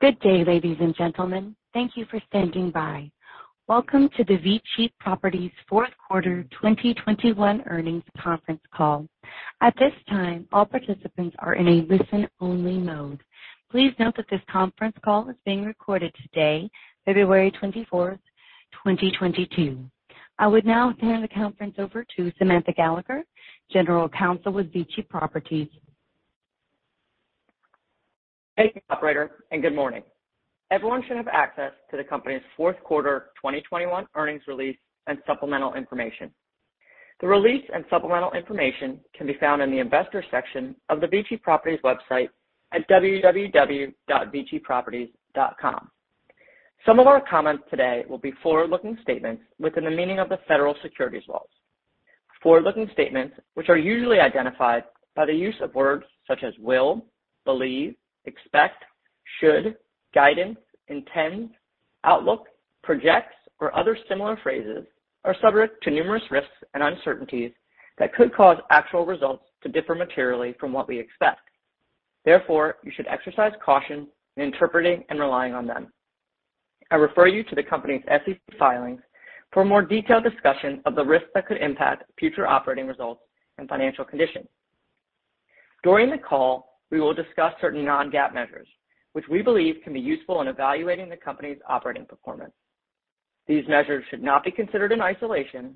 Good day, ladies and gentlemen. Thank you for standing by. Welcome to the VICI Properties fourth quarter 2021 earnings conference call. At this time, all participants are in a listen-only mode. Please note that this conference call is being recorded today, February twenty-fourth, twenty twenty-two. I would now turn the conference over to Samantha Gallagher, General Counsel with VICI Properties. Thank you, operator, and good morning. Everyone should have access to the company's fourth quarter 2021 earnings release and supplemental information. The release and supplemental information can be found in the investor section of the VICI Properties website at www.viciproperties.com. Some of our comments today will be forward-looking statements within the meaning of the federal securities laws. Forward-looking statements, which are usually identified by the use of words such as will, believe, expect, should, guidance, intend, outlook, projects, or other similar phrases, are subject to numerous risks and uncertainties that could cause actual results to differ materially from what we expect. Therefore, you should exercise caution in interpreting and relying on them. I refer you to the company's SEC filings for a more detailed discussion of the risks that could impact future operating results and financial conditions. During the call, we will discuss certain non-GAAP measures which we believe can be useful in evaluating the company's operating performance. These measures should not be considered in isolation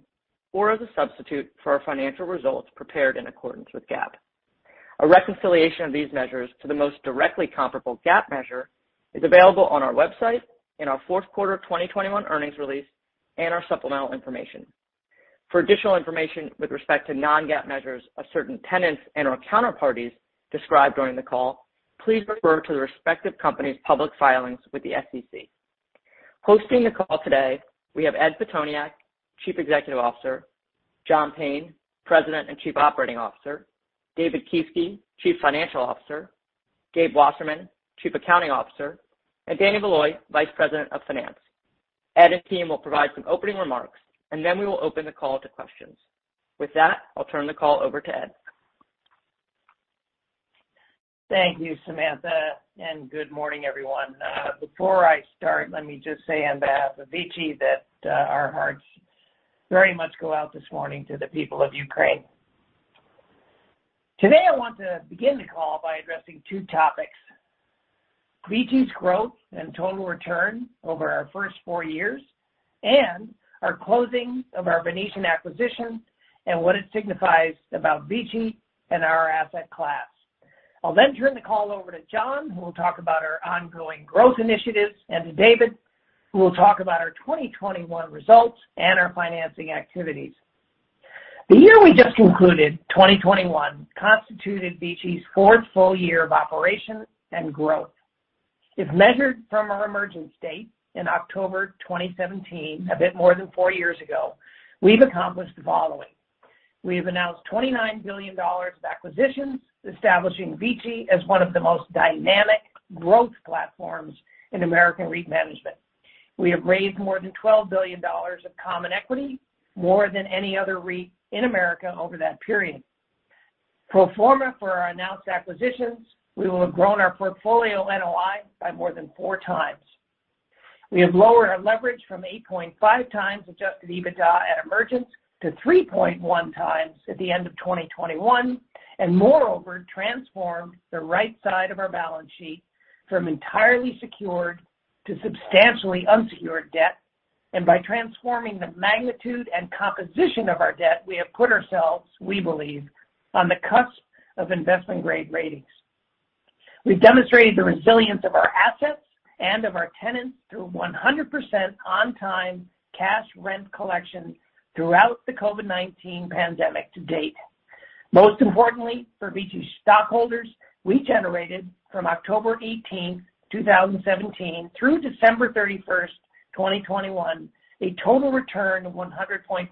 or as a substitute for our financial results prepared in accordance with GAAP. A reconciliation of these measures to the most directly comparable GAAP measure is available on our website in our fourth quarter of 2021 earnings release and our supplemental information. For additional information with respect to non-GAAP measures of certain tenants and/or counterparties described during the call, please refer to the respective company's public filings with the SEC. Hosting the call today, we have Ed Pitoniak, Chief Executive Officer, John Payne, President and Chief Operating Officer, David Kieske, Chief Financial Officer, Gabe Wasserman, Chief Accounting Officer, and Danny Valoy, Vice President of Finance. Ed and team will provide some opening remarks, and then we will open the call to questions. With that, I'll turn the call over to Ed. Thank you, Samantha, and good morning, everyone. Before I start, let me just say on behalf of Vici that our hearts very much go out this morning to the people of Ukraine. Today, I want to begin the call by addressing two topics, Vici's growth and total return over our first four years and our closing of our Venetian acquisition and what it signifies about Vici and our asset class. I'll then turn the call over to John, who will talk about our ongoing growth initiatives, and to David, who will talk about our 2021 results and our financing activities. The year we just concluded, 2021, constituted Vici's fourth full year of operations and growth. If measured from our emergence date in October 2017, a bit more than four years ago, we've accomplished the following. We have announced $29 billion of acquisitions, establishing VICI as one of the most dynamic growth platforms in American REIT management. We have raised more than $12 billion of common equity, more than any other REIT in America over that period. Pro forma for our announced acquisitions, we will have grown our portfolio NOI by more than 4 times. We have lowered our leverage from 8.5 times adjusted EBITDA at emergence to 3.1 times at the end of 2021, and moreover, transformed the right side of our balance sheet from entirely secured to substantially unsecured debt. By transforming the magnitude and composition of our debt, we have put ourselves, we believe, on the cusp of investment-grade ratings. We've demonstrated the resilience of our assets and of our tenants through 100% on-time cash rent collection throughout the COVID-19 pandemic to date. Most importantly for Vici stockholders, we generated from October 18, 2017, through December 31, 2021, a total return of 100.5%.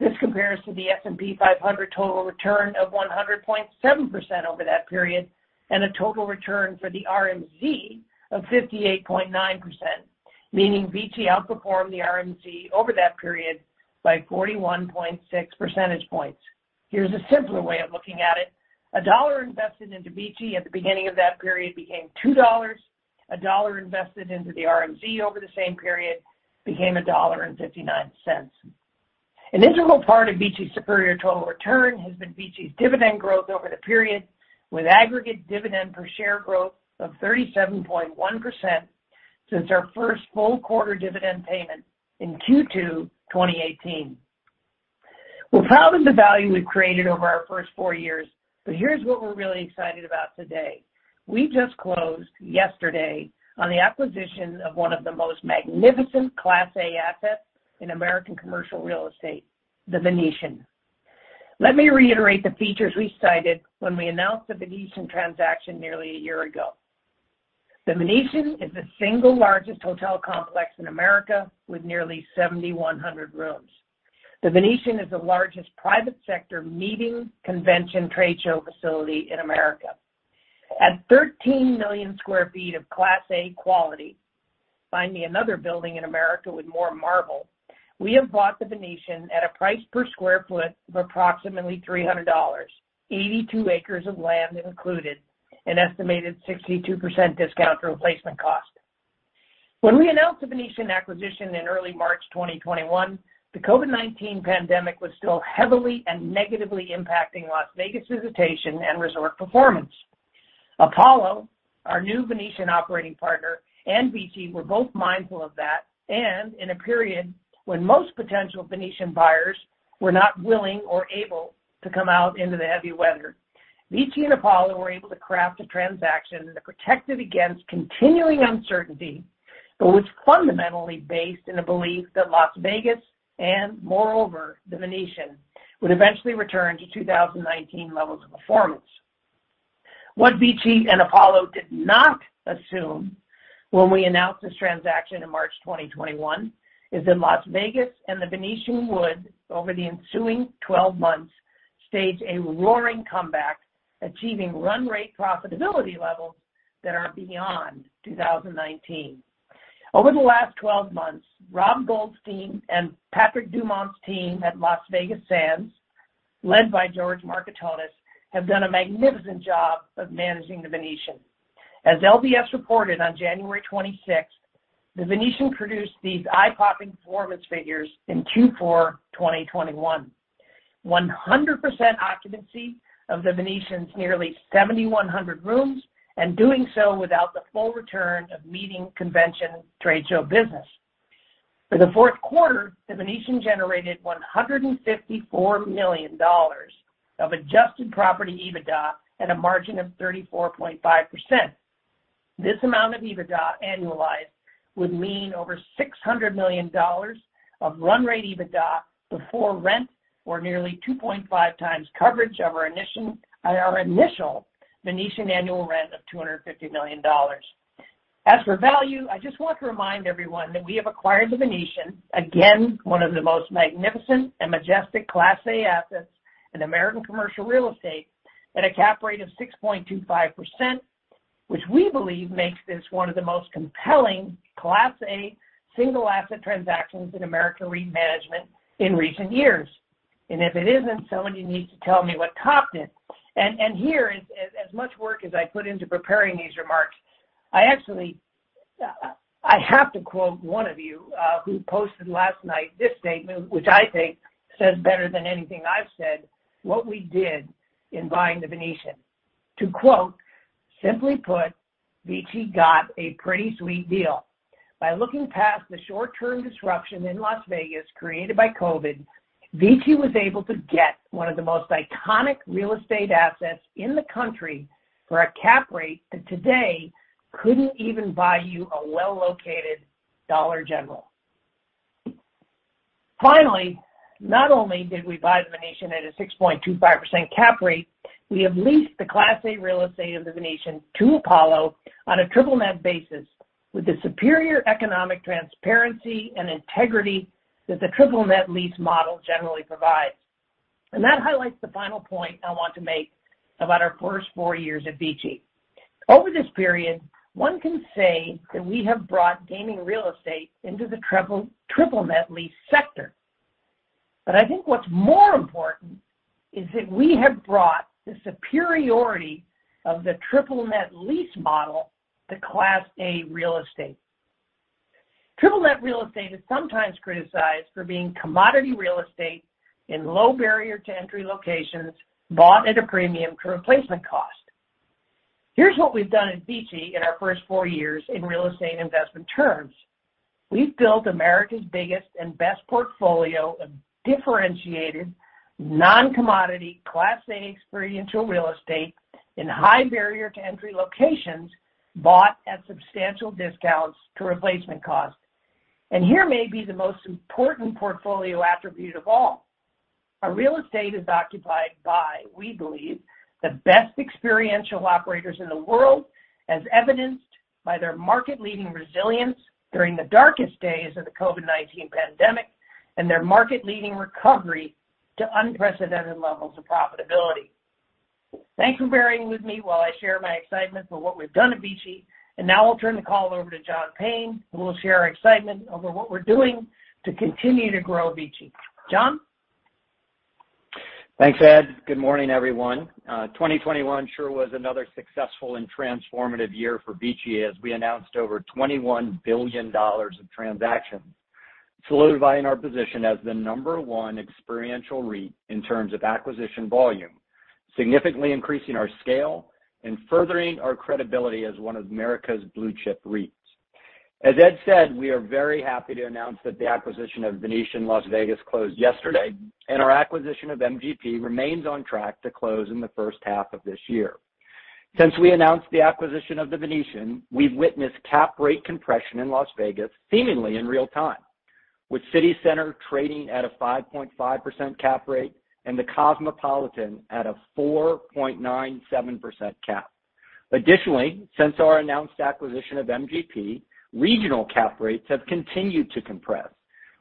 This compares to the S&P 500 total return of 100.7% over that period and a total return for the RMZ of 58.9%, meaning Vici outperformed the RMZ over that period by 41.6 percentage points. Here's a simpler way of looking at it. A $1 invested into Vici at the beginning of that period became $2. A $1 invested into the RMZ over the same period became $1.59. An integral part of Vici's superior total return has been Vici's dividend growth over the period, with aggregate dividend per share growth of 37.1% since our first full quarter dividend payment in Q2 2018. We're proud of the value we've created over our first 4 years, but here's what we're really excited about today. We just closed yesterday on the acquisition of one of the most magnificent Class A assets in American commercial real estate, The Venetian. Let me reiterate the features we cited when we announced the Venetian transaction nearly a year ago. The Venetian is the single largest hotel complex in America with nearly 7,100 rooms. The Venetian is the largest private sector meeting, convention, trade show facility in America. At 13 million sq ft of Class A quality. Find me another building in America with more marble. We have bought The Venetian at a price per square foot of approximately $300, 82 acres of land that included an estimated 62% discount to replacement cost. When we announced The Venetian acquisition in early March 2021, the COVID-19 pandemic was still heavily and negatively impacting Las Vegas visitation and resort performance. Apollo, our new Venetian operating partner, and VICI were both mindful of that, and in a period when most potential Venetian buyers were not willing or able to come out into the heavy weather. VICI and Apollo were able to craft a transaction that protected against continuing uncertainty, but was fundamentally based in a belief that Las Vegas and moreover, The Venetian, would eventually return to 2019 levels of performance. What VICI and Apollo did not assume when we announced this transaction in March 2021, is that in Las Vegas, and The Venetian would, over the ensuing 12 months, stage a roaring comeback, achieving run-rate profitability levels that are beyond 2019. Over the last 12 months, Rob Goldstein and Patrick Dumont's team at Las Vegas Sands, led by George Markantonis, have done a magnificent job of managing The Venetian. As LVS reported on January twenty-sixth, The Venetian produced these eye-popping performance figures in Q4, 2021. 100% occupancy of The Venetian's nearly 7,100 rooms, and doing so without the full return of meeting convention trade show business. For the fourth quarter, The Venetian generated $154 million of adjusted property EBITDA at a margin of 34.5%. This amount of EBITDA annualized would mean over $600 million of run rate EBITDA before rent, or nearly 2.5 times coverage of our initial Venetian annual rent of $250 million. As for value, I just want to remind everyone that we have acquired The Venetian, again, one of the most magnificent and majestic Class A assets in American commercial real estate at a cap rate of 6.25%, which we believe makes this one of the most compelling Class A single asset transactions in American REIT management in recent years. If it isn't, somebody needs to tell me what topped it. Here, as much work as I put into preparing these remarks, I actually have to quote one of you who posted last night this statement, which I think says better than anything I've said what we did in buying The Venetian. To quote, "Simply put, VICI got a pretty sweet deal. By looking past the short-term disruption in Las Vegas created by COVID, VICI was able to get one of the most iconic real estate assets in the country for a cap rate that today couldn't even buy you a well-located Dollar General. Finally, not only did we buy The Venetian at a 6.25% cap rate, we have leased the Class A real estate of The Venetian to Apollo on a triple-net basis with the superior economic transparency and integrity that the triple-net lease model generally provides. That highlights the final point I want to make about our first four years at VICI. Over this period, one can say that we have brought gaming real estate into the triple-net lease sector. I think what's more important is that we have brought the superiority of the triple-net lease model to Class A real estate. Triple-net real estate is sometimes criticized for being commodity real estate in low barrier to entry locations bought at a premium to replacement cost. Here's what we've done at VICI in our first four years in real estate investment terms. We've built America's biggest and best portfolio of differentiated, non-commodity Class A experiential real estate in high barrier to entry locations bought at substantial discounts to replacement cost. Here may be the most important portfolio attribute of all. Our real estate is occupied by, we believe, the best experiential operators in the world, as evidenced by their market-leading resilience during the darkest days of the COVID-19 pandemic and their market-leading recovery to unprecedented levels of profitability. Thanks for bearing with me while I share my excitement for what we've done at VICI. Now I'll turn the call over to John Payne, who will share our excitement over what we're doing to continue to grow VICI. John? Thanks, Ed. Good morning, everyone. 2021 sure was another successful and transformative year for VICI, as we announced over $21 billion of transactions, solidifying our position as the number one experiential REIT in terms of acquisition volume, significantly increasing our scale and furthering our credibility as one of America's blue-chip REITs. As Ed said, we are very happy to announce that the acquisition of Venetian Las Vegas closed yesterday, and our acquisition of MGP remains on track to close in the first half of this year. Since we announced the acquisition of The Venetian, we've witnessed cap rate compression in Las Vegas, seemingly in real time, with CityCenter trading at a 5.5% cap rate and The Cosmopolitan at a 4.97% cap. Additionally, since our announced acquisition of MGP, regional cap rates have continued to compress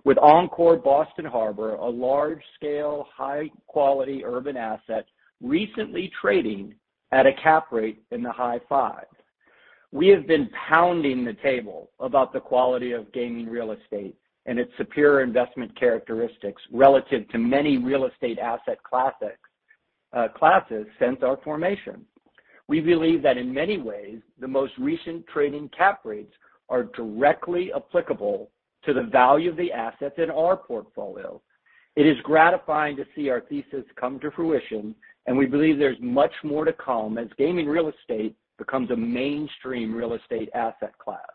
with Encore Boston Harbor, a large-scale, high-quality urban asset recently trading at a cap rate in the high five. We have been pounding the table about the quality of gaming real estate and its superior investment characteristics relative to many real estate asset classes since our formation. We believe that in many ways, the most recent trading cap rates are directly applicable to the value of the assets in our portfolio. It is gratifying to see our thesis come to fruition, and we believe there's much more to come as gaming real estate becomes a mainstream real estate asset class.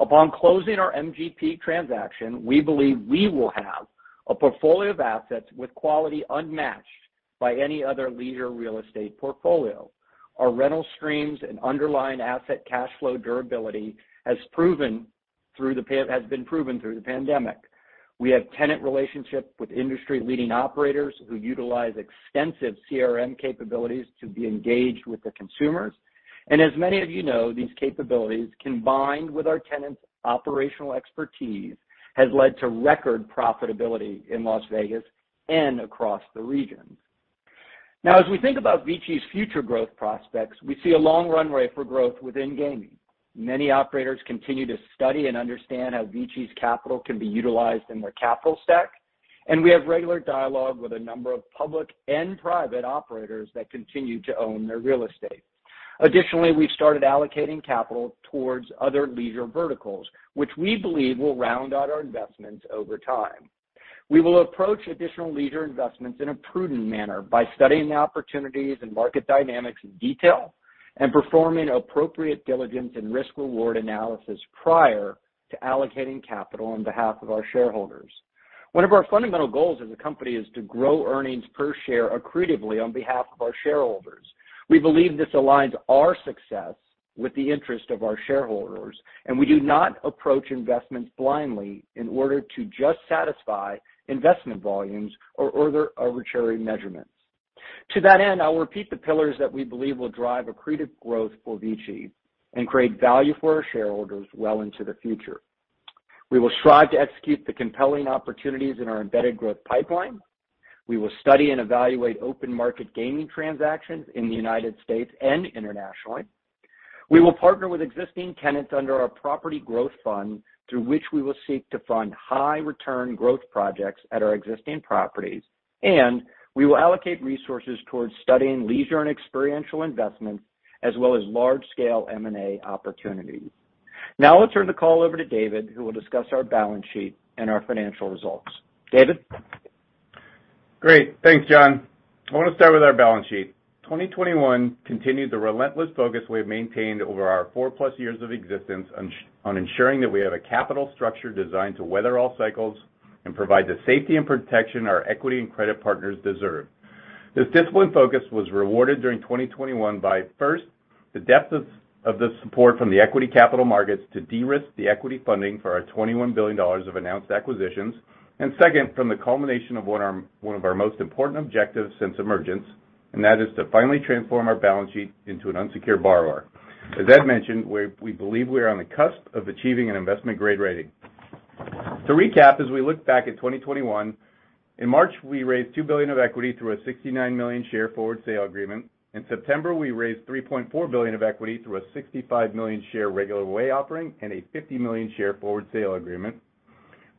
Upon closing our MGP transaction, we believe we will have a portfolio of assets with quality unmatched by any other leisure real estate portfolio. Our rental streams and underlying asset cash flow durability has been proven through the pandemic. We have tenant relationships with industry-leading operators who utilize extensive CRM capabilities to be engaged with the consumers. As many of you know, these capabilities, combined with our tenants' operational expertise, has led to record profitability in Las Vegas and across the regions. Now, as we think about VICI's future growth prospects, we see a long runway for growth within gaming. Many operators continue to study and understand how VICI's capital can be utilized in their capital stack, and we have regular dialogue with a number of public and private operators that continue to own their real estate. Additionally, we started allocating capital towards other leisure verticals, which we believe will round out our investments over time. We will approach additional leisure investments in a prudent manner by studying the opportunities and market dynamics in detail and performing appropriate diligence and risk-reward analysis prior to allocating capital on behalf of our shareholders. One of our fundamental goals as a company is to grow earnings per share accretively on behalf of our shareholders. We believe this aligns our success with the interest of our shareholders, and we do not approach investments blindly in order to just satisfy investment volumes or other arbitrary measurements. To that end, I'll repeat the pillars that we believe will drive accretive growth for VICI and create value for our shareholders well into the future. We will strive to execute the compelling opportunities in our embedded growth pipeline. We will study and evaluate open-market gaming transactions in the United States and internationally. We will partner with existing tenants under our property growth fund, through which we will seek to fund high-return growth projects at our existing properties, and we will allocate resources towards studying leisure and experiential investments as well as large-scale M&A opportunities. Now I'll turn the call over to David, who will discuss our balance sheet and our financial results. David? Great. Thanks, John. I want to start with our balance sheet. 2021 continued the relentless focus we have maintained over our four-plus years of existence on ensuring that we have a capital structure designed to weather all cycles and provide the safety and protection our equity and credit partners deserve. This disciplined focus was rewarded during 2021 by, first, the depth of the support from the equity capital markets to de-risk the equity funding for our $21 billion of announced acquisitions, and second, from the culmination of one of our most important objectives since emergence, and that is to finally transform our balance sheet into an unsecured borrower. As Ed mentioned, we believe we are on the cusp of achieving an investment-grade rating. To recap, as we look back at 2021, in March, we raised $2 billion of equity through a 69 million share forward sale agreement. In September, we raised $3.4 billion of equity through a 65 million share regular way offering and a 50 million share forward sale agreement.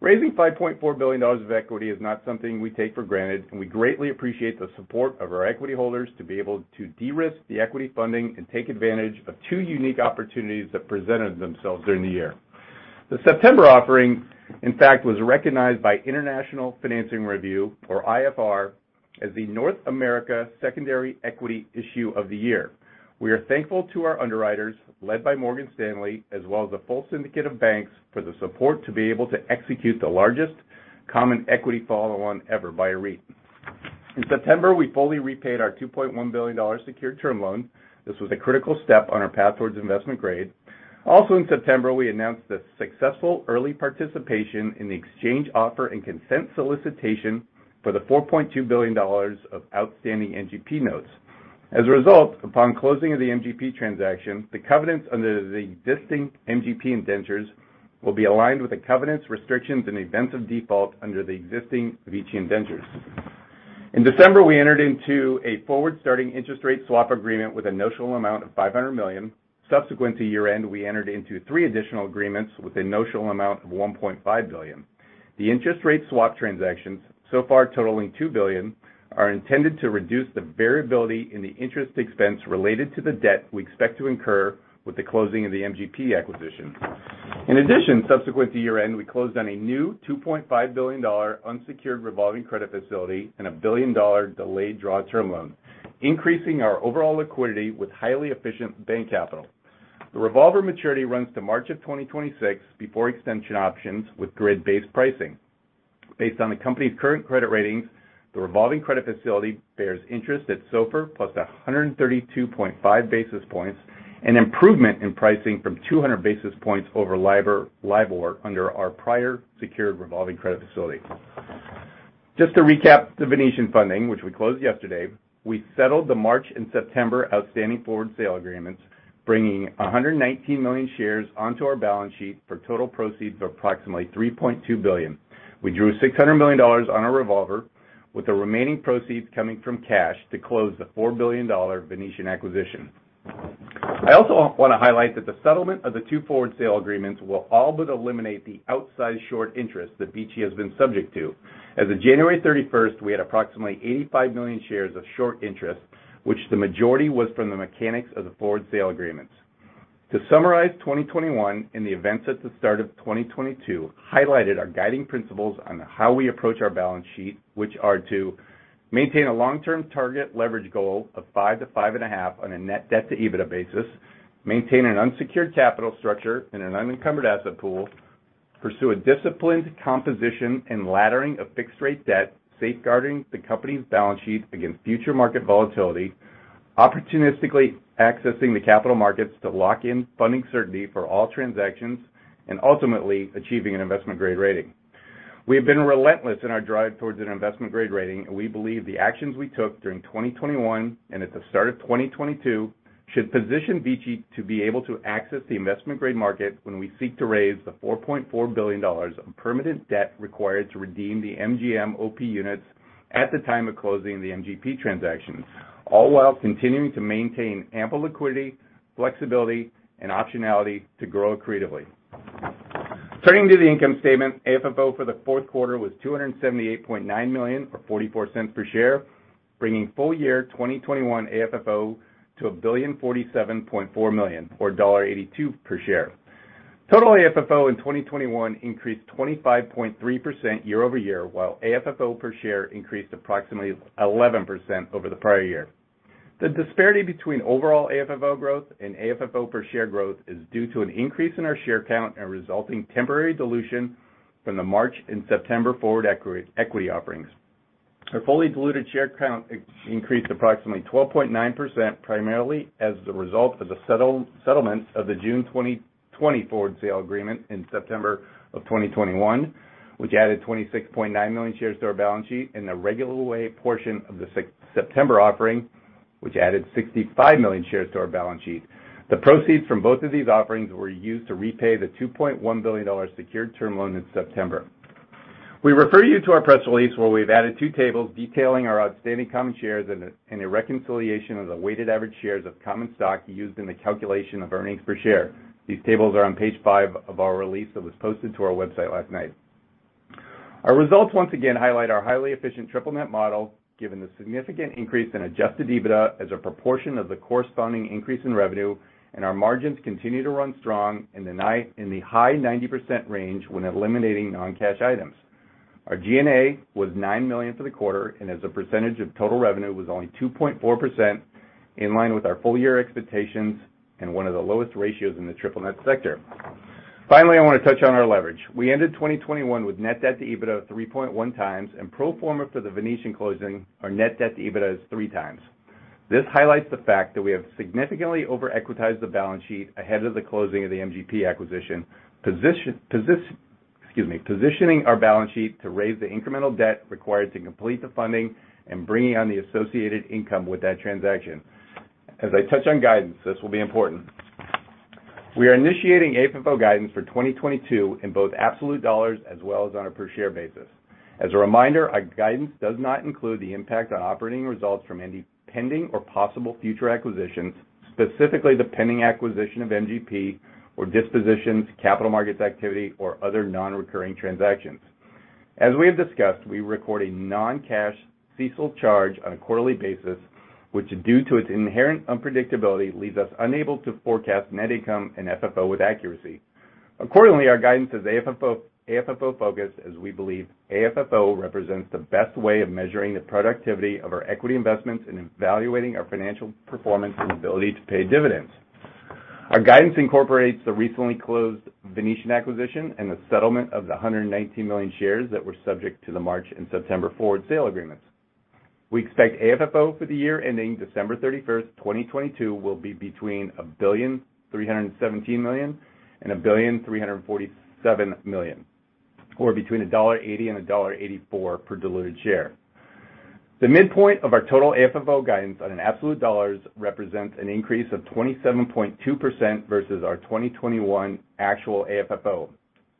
Raising $5.4 billion of equity is not something we take for granted, and we greatly appreciate the support of our equity holders to be able to de-risk the equity funding and take advantage of two unique opportunities that presented themselves during the year. The September offering, in fact, was recognized by International Financing Review, or IFR, as the North America Secondary Equity Issue of the Year. We are thankful to our underwriters, led by Morgan Stanley, as well as a full syndicate of banks for the support to be able to execute the largest common equity follow-on ever by a REIT. In September, we fully repaid our $2.1 billion secured term loan. This was a critical step on our path towards investment grade. Also in September, we announced the successful early participation in the exchange offer and consent solicitation for the $4.2 billion of outstanding MGP notes. As a result, upon closing of the MGP transaction, the covenants under the existing MGP indentures will be aligned with the covenants, restrictions, and events of default under the existing VICI indentures. In December, we entered into a forward-starting interest rate swap agreement with a notional amount of $500 million. Subsequent to year-end, we entered into three additional agreements with a notional amount of $1.5 billion. The interest rate swap transactions, so far totaling $2 billion, are intended to reduce the variability in the interest expense related to the debt we expect to incur with the closing of the MGP acquisition. In addition, subsequent to year-end, we closed on a new $2.5 billion unsecured revolving credit facility and a $1 billion delayed draw term loan, increasing our overall liquidity with highly efficient bank capital. The revolver maturity runs to March 2026 before extension options with grid-based pricing. Based on the company's current credit ratings, the revolving credit facility bears interest at SOFR plus 132.5 basis points, an improvement in pricing from 200 basis points over LIBOR under our prior secured revolving credit facility. Just to recap the Venetian funding, which we closed yesterday, we settled the March and September outstanding forward sale agreements, bringing 119 million shares onto our balance sheet for total proceeds of approximately $3.2 billion. We drew $600 million on our revolver, with the remaining proceeds coming from cash to close the $4 billion Venetian acquisition. I also want to highlight that the settlement of the two forward sale agreements will all but eliminate the outsized short interest that VICI has been subject to. As of January 31, we had approximately 85 million shares of short interest, which the majority was from the mechanics of the forward sale agreements. To summarize, 2021 and the events at the start of 2022 highlighted our guiding principles on how we approach our balance sheet, which are to maintain a long-term target leverage goal of 5-5.5 on a net debt-to-EBITDA basis, maintain an unsecured capital structure and an unencumbered asset pool, pursue a disciplined composition and laddering of fixed rate debt, safeguarding the company's balance sheet against future market volatility, opportunistically accessing the capital markets to lock in funding certainty for all transactions, and ultimately achieving an investment-grade rating. We have been relentless in our drive towards an investment-grade rating, and we believe the actions we took during 2021 and at the start of 2022 should position VICI to be able to access the investment-grade market when we seek to raise the $4.4 billion of permanent debt required to redeem the MGM OP units at the time of closing the MGP transactions, all while continuing to maintain ample liquidity, flexibility, and optionality to grow creatively. Turning to the income statement, AFFO for the fourth quarter was $278.9 million, or $0.44 per share, bringing full year 2021 AFFO to $1,047.4 million, or $0.82 per share. Total AFFO in 2021 increased 25.3% year over year, while AFFO per share increased approximately 11% over the prior year. The disparity between overall AFFO growth and AFFO per share growth is due to an increase in our share count and resulting temporary dilution from the March and September forward equity offerings. Our fully diluted share count increased approximately 12.9% primarily as the result of the settlement of the June 2020 forward sale agreement in September 2021, which added 26.9 million shares to our balance sheet in the regular way portion of the September offering, which added 65 million shares to our balance sheet. The proceeds from both of these offerings were used to repay the $2.1 billion secured term loan in September. We refer you to our press release where we've added two tables detailing our outstanding common shares and a reconciliation of the weighted average shares of common stock used in the calculation of earnings per share. These tables are on page 5 of our release that was posted to our website last night. Our results once again highlight our highly efficient triple net model, given the significant increase in adjusted EBITDA as a proportion of the corresponding increase in revenue and our margins continue to run strong in the high 90% range when eliminating non-cash items. Our G&A was $9 million for the quarter, and as a percentage of total revenue was only 2.4%, in line with our full year expectations and one of the lowest ratios in the triple net sector. Finally, I want to touch on our leverage. We ended 2021 with net debt-to-EBITDA 3.1 times, and pro forma for the Venetian closing, our net debt-to-EBITDA is 3 times. This highlights the fact that we have significantly over-equitized the balance sheet ahead of the closing of the MGP acquisition, positioning our balance sheet to raise the incremental debt required to complete the funding and bringing on the associated income with that transaction. As I touch on guidance, this will be important. We are initiating AFFO guidance for 2022 in both absolute dollars as well as on a per share basis. As a reminder, our guidance does not include the impact on operating results from any pending or possible future acquisitions, specifically the pending acquisition of MGP or dispositions, capital markets activity, or other non-recurring transactions. As we have discussed, we record a non-cash CECL charge on a quarterly basis, which, due to its inherent unpredictability, leaves us unable to forecast net income and FFO with accuracy. Accordingly, our guidance is AFFO focused, as we believe AFFO represents the best way of measuring the productivity of our equity investments and evaluating our financial performance and ability to pay dividends. Our guidance incorporates the recently closed Venetian acquisition and the settlement of the 119 million shares that were subject to the March and September forward sale agreements. We expect AFFO for the year ending December 31, 2022 will be between $1.317 billion and $1.347 billion, or between $1.80 and $1.84 per diluted share. The midpoint of our total AFFO guidance on an absolute dollars represents an increase of 27.2% versus our 2021 actual AFFO.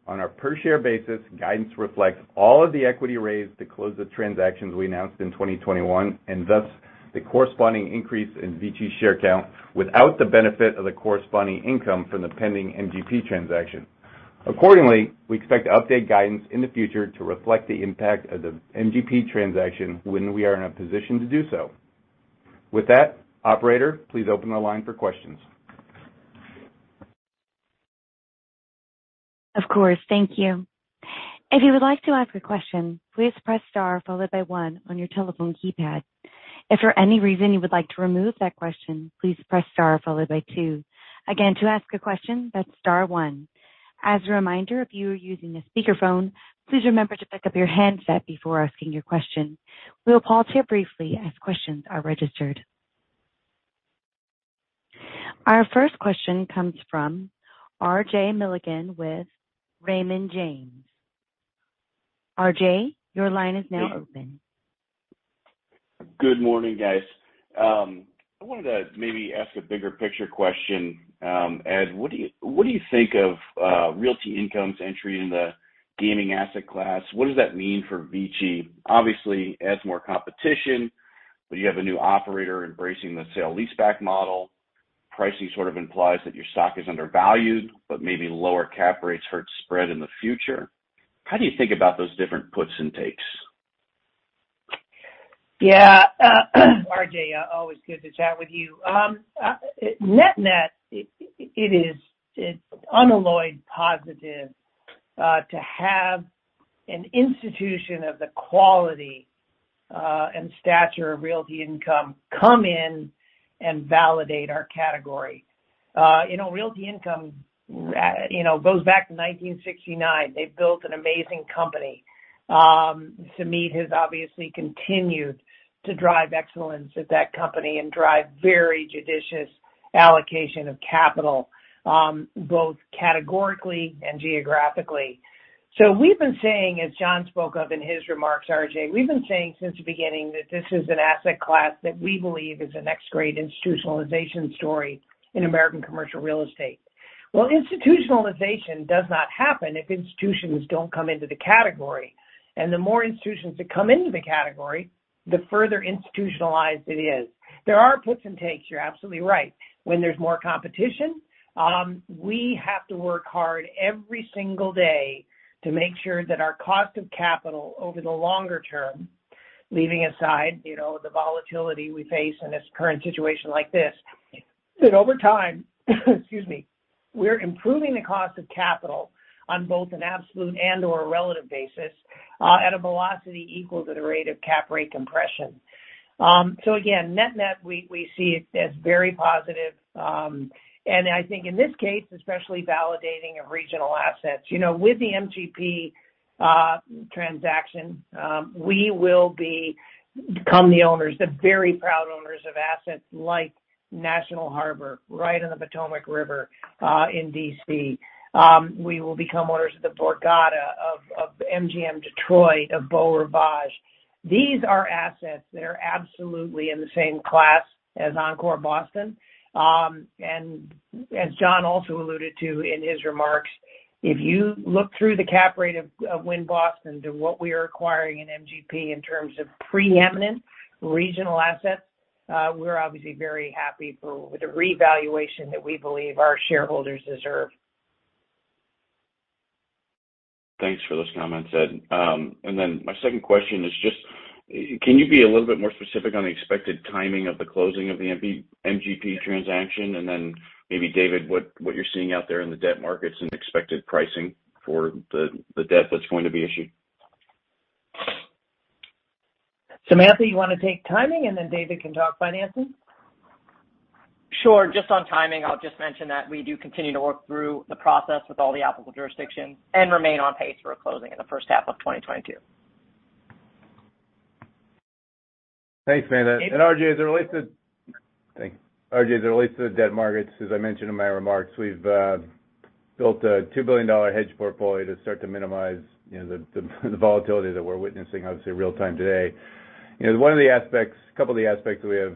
On our per share basis, guidance reflects all of the equity raised to close the transactions we announced in 2021, and thus, the corresponding increase in VICI share count without the benefit of the corresponding income from the pending MGP transaction. Accordingly, we expect to update guidance in the future to reflect the impact of the MGP transaction when we are in a position to do so. With that, operator, please open the line for questions. Of course. Thank you. If you would like to ask a question, please press star followed by one on your telephone keypad. If for any reason you would like to remove that question, please press star followed by two. Again, to ask a question, that's star one. As a reminder, if you are using a speakerphone, please remember to pick up your handset before asking your question. We will pause here briefly as questions are registered. Our first question comes from R.J. Milligan with Raymond James. R.J., your line is now open. Good morning, guys. I wanted to maybe ask a bigger picture question. Ed, what do you think of Realty Income's entry in the gaming asset class? What does that mean for VICI? Obviously, adds more competition, but you have a new operator embracing the sale-leaseback model. Pricing sort of implies that your stock is undervalued, but maybe lower cap rates hurt spread in the future. How do you think about those different puts and takes? RJ, always good to chat with you. Net-net, it is unalloyed positive to have an institution of the quality and stature of Realty Income come in and validate our category. You know, Realty Income, you know, goes back to 1969. They've built an amazing company. Sumit has obviously continued to drive excellence at that company and drive very judicious allocation of capital, both categorically and geographically. We've been saying, as John spoke of in his remarks, RJ, we've been saying since the beginning that this is an asset class that we believe is the next great institutionalization story in American commercial real estate. Well, institutionalization does not happen if institutions don't come into the category, and the more institutions that come into the category, the further institutionalized it is. There are puts and takes, you're absolutely right. When there's more competition, we have to work hard every single day to make sure that our cost of capital over the longer term, leaving aside, you know, the volatility we face in this current situation like this, that over time, excuse me, we're improving the cost of capital on both an absolute and/or a relative basis, at a velocity equal to the rate of cap rate compression. Again, net-net, we see it as very positive, and I think in this case, especially validating of regional assets. You know, with the MGP transaction, we will become the owners, the very proud owners of assets like National Harbor right on the Potomac River in D.C. We will become owners of the Borgata, of MGM Grand Detroit, of Beau Rivage. These are assets that are absolutely in the same class as Encore Boston. As John also alluded to in his remarks, if you look through the cap rate of Wynn Boston to what we are acquiring in MGP in terms of preeminent regional assets, we're obviously very happy for the revaluation that we believe our shareholders deserve. Thanks for those comments, Ed. My second question is just, can you be a little bit more specific on the expected timing of the closing of the MGP transaction, and then maybe David, what you're seeing out there in the debt markets and expected pricing for the debt that's going to be issued? Samantha, you wanna take timing, and then David can talk financing? Sure. Just on timing, I'll just mention that we do continue to work through the process with all the applicable jurisdictions and remain on pace for a closing in the first half of 2022. Thanks, Samantha. RJ, as it relates to the debt markets, as I mentioned in my remarks, we've built a $2 billion hedge portfolio to start to minimize the volatility that we're witnessing obviously real time today. One of the aspects, a couple of the aspects, that we have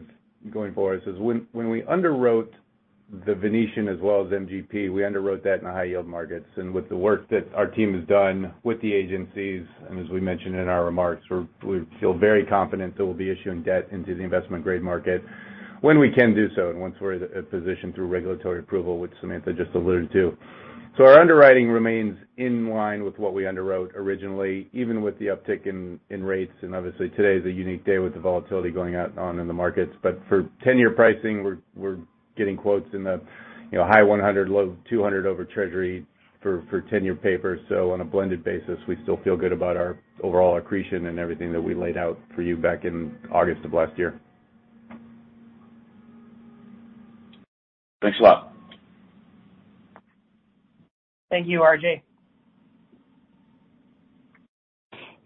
going for us is when we underwrote The Venetian as well as MGP, we underwrote that in the high yield markets. With the work that our team has done with the agencies, and as we mentioned in our remarks, we feel very confident that we'll be issuing debt into the investment grade market when we can do so and once we're at a position through regulatory approval, which Samantha just alluded to. Our underwriting remains in line with what we underwrote originally, even with the uptick in rates, and obviously today is a unique day with the volatility going on in the markets. For ten-year pricing, we're getting quotes in the you know, high 100, low 200 over Treasury for ten-year paper. On a blended basis, we still feel good about our overall accretion and everything that we laid out for you back in August of last year. Thanks a lot. Thank you, RJ.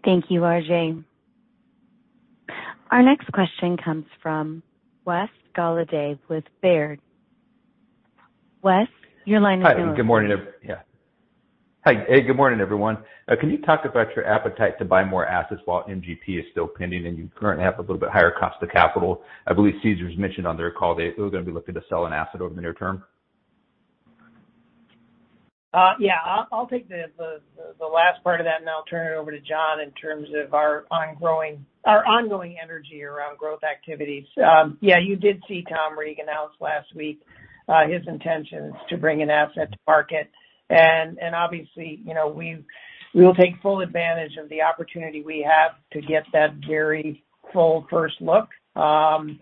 Thank you, RJ. Our next question comes from Wes Golladay with Baird. Wes, your line is open. Good morning, everyone. Can you talk about your appetite to buy more assets while MGP is still pending and you currently have a little bit higher cost of capital? I believe Caesars mentioned on their call they were gonna be looking to sell an asset over the near term. Yeah. I'll take the last part of that, and then I'll turn it over to John in terms of our ongoing energy around growth activities. Yeah, you did see Tom Reeg announce last week his intentions to bring an asset to market. Obviously, you know, we will take full advantage of the opportunity we have to get that very full first look, and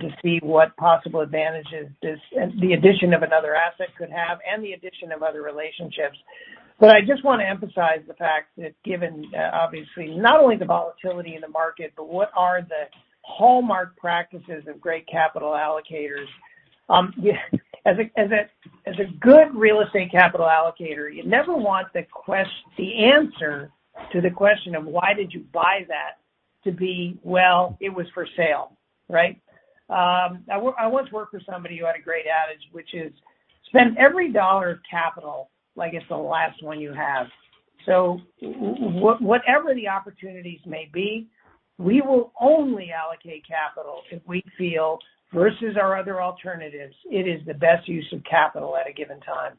to see what possible advantages the addition of another asset could have and the addition of other relationships. I just wanna emphasize the fact that given obviously not only the volatility in the market, but what are the hallmark practices of great capital allocators. As a good real estate capital allocator, you never want the answer to the question of why did you buy that to be, well, it was for sale, right? I once worked for somebody who had a great adage, which is, "Spend every dollar of capital like it's the last one you have." Whatever the opportunities may be, we will only allocate capital if we feel, versus our other alternatives, it is the best use of capital at a given time.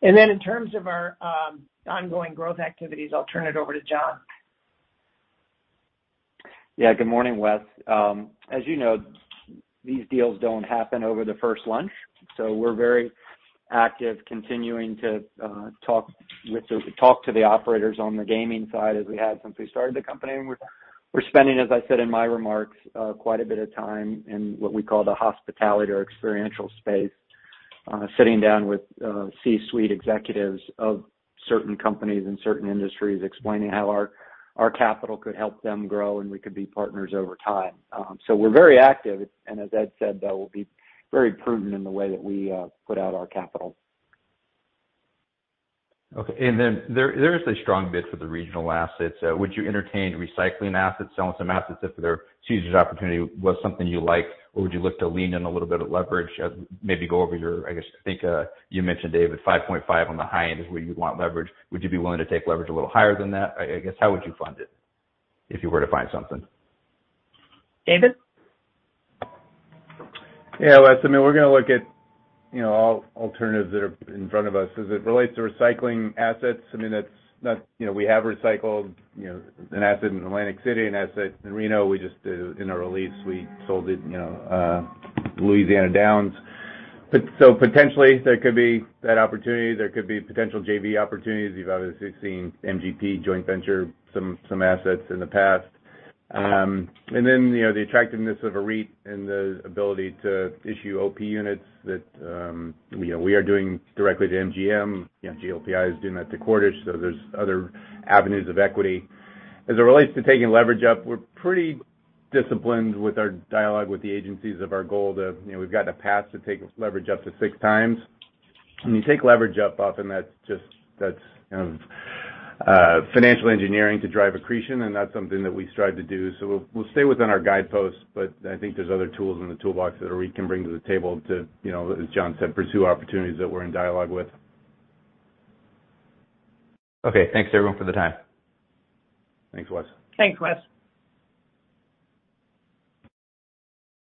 In terms of our ongoing growth activities, I'll turn it over to John. Yeah, good morning, Wes. As you know, these deals don't happen over the first lunch, so we're very active continuing to talk to the operators on the gaming side as we have since we started the company. We're spending, as I said in my remarks, quite a bit of time in what we call the hospitality or experiential space, sitting down with C-suite executives of certain companies and certain industries, explaining how our capital could help them grow, and we could be partners over time. So we're very active. As Ed said, though, we'll be very prudent in the way that we put out our capital. Okay. There is a strong bid for the regional assets. Would you entertain recycling assets, selling some assets if there's a Caesars opportunity was something you like, or would you look to lean in a little bit of leverage? Maybe go over your leverage. You mentioned, David, 5.5 on the high end is where you'd want leverage. Would you be willing to take leverage a little higher than that? I guess how would you fund it if you were to find something? David? Yeah. Wes, I mean, we're gonna look at, you know, all alternatives that are in front of us as it relates to recycling assets. I mean, that's not. You know, we have recycled, you know, an asset in Atlantic City, an asset in Reno. We just did in our release, we sold it, you know, Louisiana Downs. Potentially there could be that opportunity. There could be potential JV opportunities. You've obviously seen MGP joint venture some assets in the past. You know, the attractiveness of a REIT and the ability to issue OP units that, you know, we are doing directly to MGM. You know, GLPI is doing that to Cordish, so there's other avenues of equity. As it relates to taking leverage up, we're pretty disciplined with our dialogue with the agencies of our goal to, you know, we've got a path to take leverage up to 6x. When you take leverage up often that's just, you know, financial engineering to drive accretion, and that's something that we strive to do. We'll stay within our guideposts, but I think there's other tools in the toolbox that a REIT can bring to the table to, you know, as John said, pursue opportunities that we're in dialogue with. Okay. Thanks, everyone, for the time. Thanks, Wes. Thanks, Wes.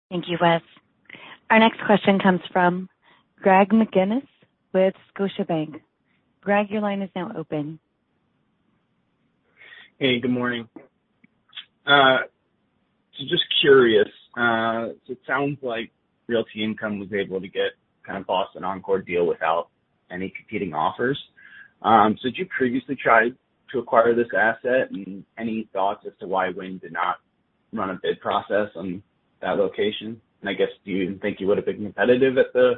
Thank you, Wes. Our next question comes from Greg McGinniss with Scotiabank. Greg, your line is now open. Hey, good morning. Just curious, it sounds like Realty Income was able to get kind of Encore Boston Harbor deal without any competing offers. Did you previously try to acquire this asset? Any thoughts as to why Wynn did not run a bid process on that location? I guess, do you think you would have been competitive at the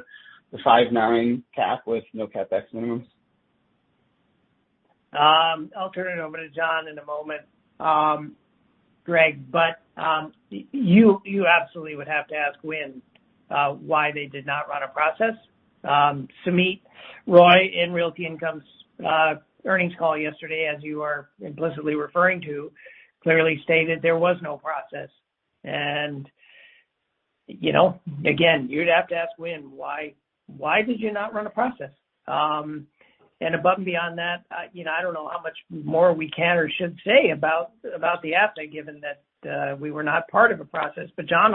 5.9 cap with no CapEx minimums? I'll turn it over to John in a moment, Greg, but you absolutely would have to ask Wynn why they did not run a process. Sumit Roy in Realty Income's earnings call yesterday, as you are implicitly referring to, clearly stated there was no process. You know, again, you'd have to ask Wynn why they did not run a process. Above and beyond that, you know, I don't know how much more we can or should say about the asset, given that we were not part of a process. John,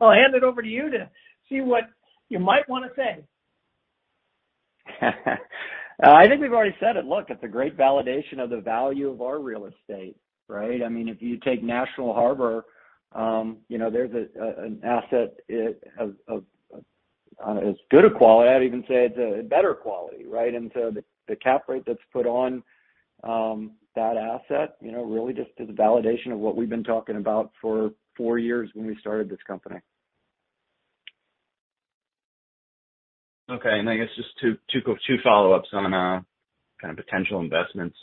I'll hand it over to you to see what you might wanna say. I think we've already said it. Look at the great validation of the value of our real estate, right? I mean, if you take National Harbor, you know, there's an asset of as good a quality. I'd even say it's a better quality, right? The cap rate that's put on that asset really just is a validation of what we've been talking about for four years when we started this company. Okay. I guess just two follow-ups on kind of potential investments.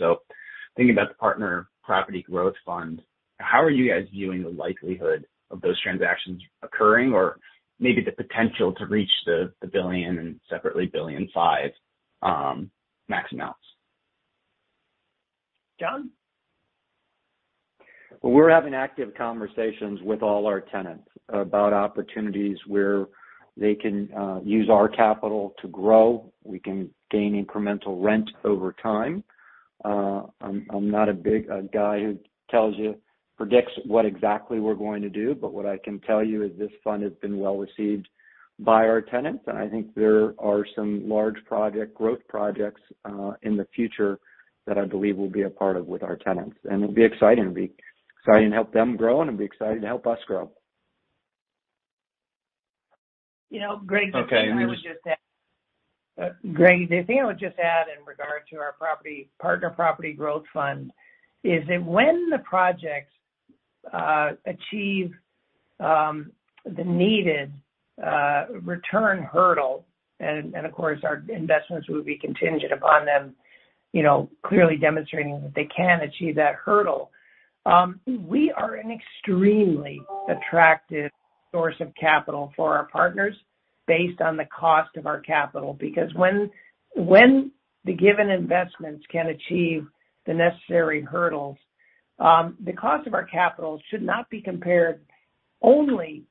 Thinking about the Partner Property Growth Fund, how are you guys viewing the likelihood of those transactions occurring or maybe the potential to reach the $1 billion and separately $1.5 billion max amounts? John? Well, we're having active conversations with all our tenants about opportunities where they can use our capital to grow. We can gain incremental rent over time. I'm not a big guy who tells you, predicts what exactly we're going to do, but what I can tell you is this fund has been well-received by our tenants. I think there are some large project growth projects in the future that I believe we'll be a part of with our tenants. It'll be exciting. It'll be exciting to help them grow, and it'll be exciting to help us grow. You know, Greg- Okay. I would just add, Greg, the thing I would just add in regard to our Partner Property Growth Fund is that when the projects achieve the needed return hurdle, and of course, our investments would be contingent upon them, you know, clearly demonstrating that they can achieve that hurdle, we are an extremely attractive source of capital for our partners. Based on the cost of our capital, because when the given investments can achieve the necessary hurdles, the cost of our capital should not be compared only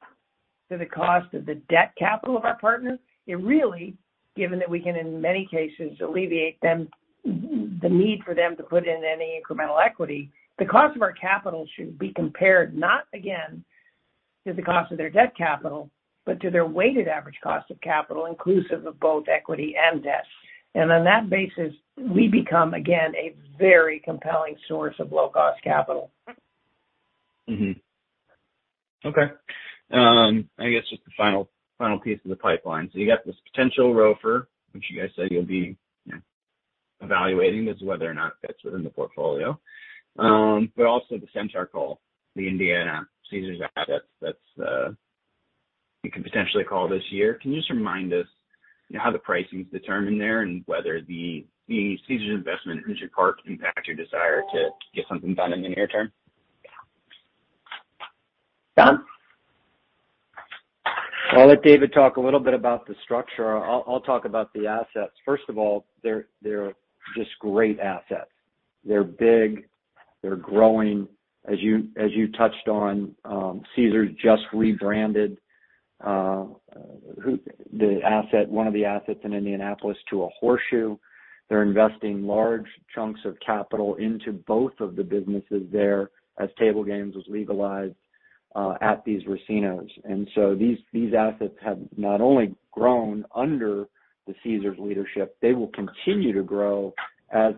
to the cost of the debt capital of our partners. It really, given that we can, in many cases, alleviate them, the need for them to put in any incremental equity, the cost of our capital should be compared not again to the cost of their debt capital, but to their weighted average cost of capital inclusive of both equity and debt. On that basis, we become, again, a very compelling source of low-cost capital. Okay. I guess just the final piece of the pipeline. You got this potential ROFR, which you guys said you'll be, you know, evaluating as to whether or not it fits within the portfolio. But also the Centaur call, the Indiana Caesars assets that's you can potentially call this year. Can you just remind us, you know, how the pricing is determined there, and whether the Caesars investment is your part to impact your desire to get something done in the near term? John? I'll let David talk a little bit about the structure. I'll talk about the assets. First of all, they're just great assets. They're big, they're growing. As you touched on, Caesars just rebranded the asset, one of the assets in Indianapolis to Horseshoe. They're investing large chunks of capital into both of the businesses there as table games was legalized at these racinos. These assets have not only grown under the Caesars leadership, they will continue to grow as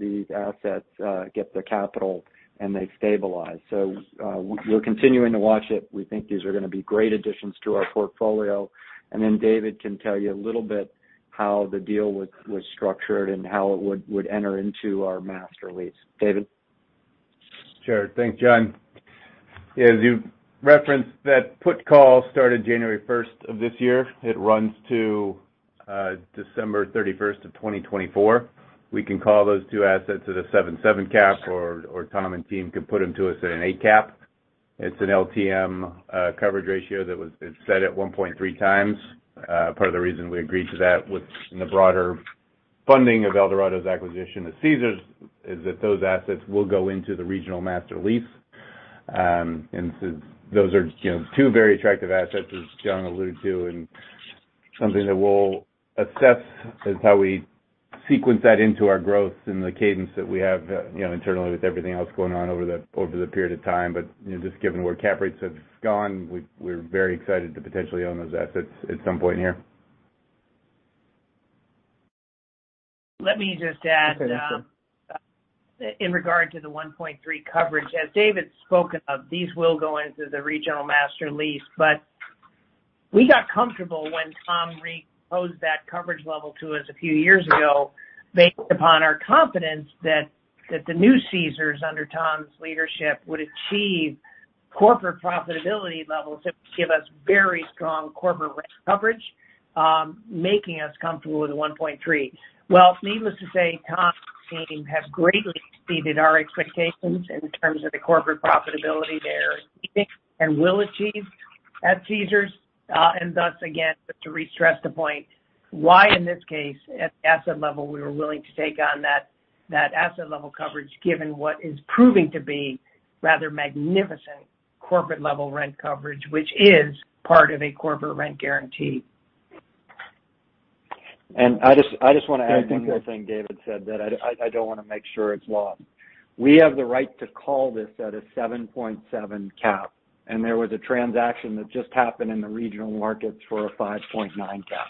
these assets get their capital and they stabilize. We're continuing to watch it. We think these are gonna be great additions to our portfolio. Then David can tell you a little bit how the deal was structured and how it would enter into our master lease. David? Sure. Thanks, John. As you referenced, that put call started January 1 of this year. It runs to December 31, 2024. We can call those two assets at a 7.7 cap, or Tom and team can put them to us at an 8 cap. It's an LTM coverage ratio that was set at 1.3 times. Part of the reason we agreed to that was in the broader funding of Eldorado's acquisition of Caesars, is that those assets will go into the regional master lease. Those are, you know, two very attractive assets, as John alluded to, and something that we'll assess is how we sequence that into our growth and the cadence that we have, you know, internally with everything else going on over the period of time. You know, just given where cap rates have gone, we're very excited to potentially own those assets at some point here. Let me just add, Okay. Sure In regard to the 1.3 coverage. As David spoke of, these will go into the regional master lease, but we got comfortable when Tom Reeg proposed that coverage level to us a few years ago based upon our confidence that the new Caesars under Tom's leadership would achieve corporate profitability levels that would give us very strong corporate rent coverage, making us comfortable with the 1.3. Well, needless to say, Tom's team have greatly exceeded our expectations in terms of the corporate profitability they're seeking and will achieve at Caesars. Thus, again, just to re-stress the point why in this case, at the asset level, we were willing to take on that asset level coverage given what is proving to be rather magnificent corporate level rent coverage, which is part of a corporate rent guarantee. I just wanna add one more thing David said that I wanna make sure it's not lost. We have the right to call this at a 7.7 cap, and there was a transaction that just happened in the regional markets for a 5.9 cap.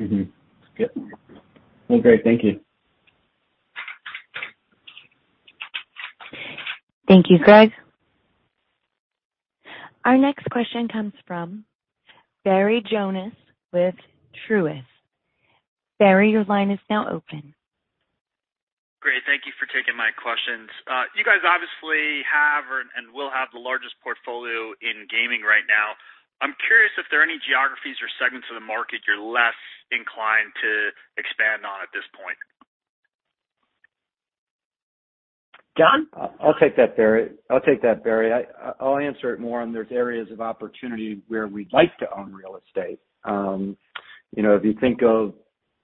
Mm-hmm. Yep. Well, great. Thank you. Thank you, Greg. Our next question comes from Barry Jonas with Truist. Barry, your line is now open. Great. Thank you for taking my questions. You guys obviously have, and will have the largest portfolio in gaming right now. I'm curious if there are any geographies or segments of the market you're less inclined to expand on at this point. John? I'll take that, Barry. I'll answer it more on those areas of opportunity where we'd like to own real estate. You know, if you think of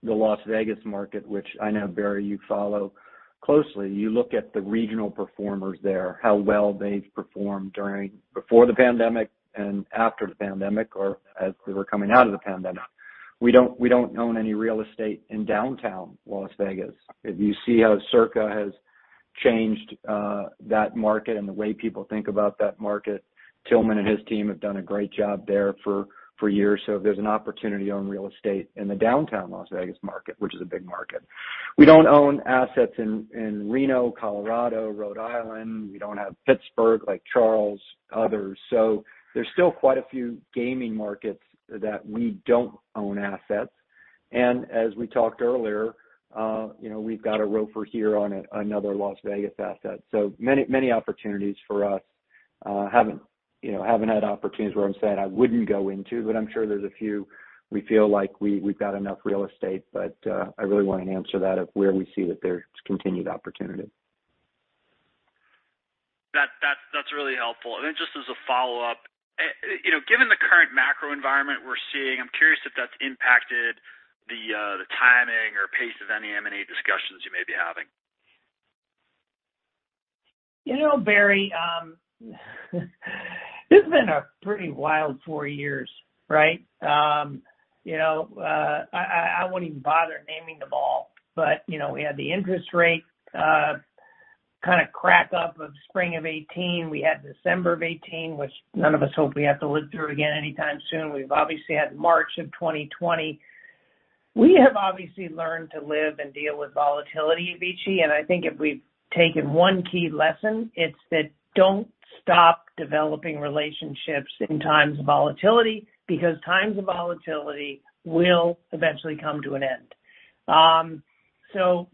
the Las Vegas market, which I know, Barry, you follow closely, you look at the regional performers there, how well they've performed during, before the pandemic and after the pandemic, or as we were coming out of the pandemic. We don't own any real estate in downtown Las Vegas. If you see how Circa has changed that market and the way people think about that market, Tilman and his team have done a great job there for years. There's an opportunity to own real estate in the downtown Las Vegas market, which is a big market. We don't own assets in Reno, Colorado, Rhode Island. We don't have Pittsburgh, like Lake Charles, others. There's still quite a few gaming markets that we don't own assets. As we talked earlier, you know, we've got a ROFR here on another Las Vegas asset. Many opportunities for us. We haven't had opportunities where I'm saying I wouldn't go into, but I'm sure there's a few. We feel like we've got enough real estate, but I really wanna answer that of where we see that there's continued opportunity. That's really helpful. Then just as a follow-up, you know, given the current macro environment we're seeing, I'm curious if that's impacted the timing or pace of any M&A discussions you may be having. You know, Barry, it's been a pretty wild four years, right? You know, I won't even bother naming them all. You know, we had the interest rate kind of crack up of spring of 2018. We had December 2018, which none of us hope we have to live through again anytime soon. We've obviously had March 2020. We have obviously learned to live and deal with volatility at VICI, and I think if we've taken one key lesson, it's that don't stop developing relationships in times of volatility because times of volatility will eventually come to an end.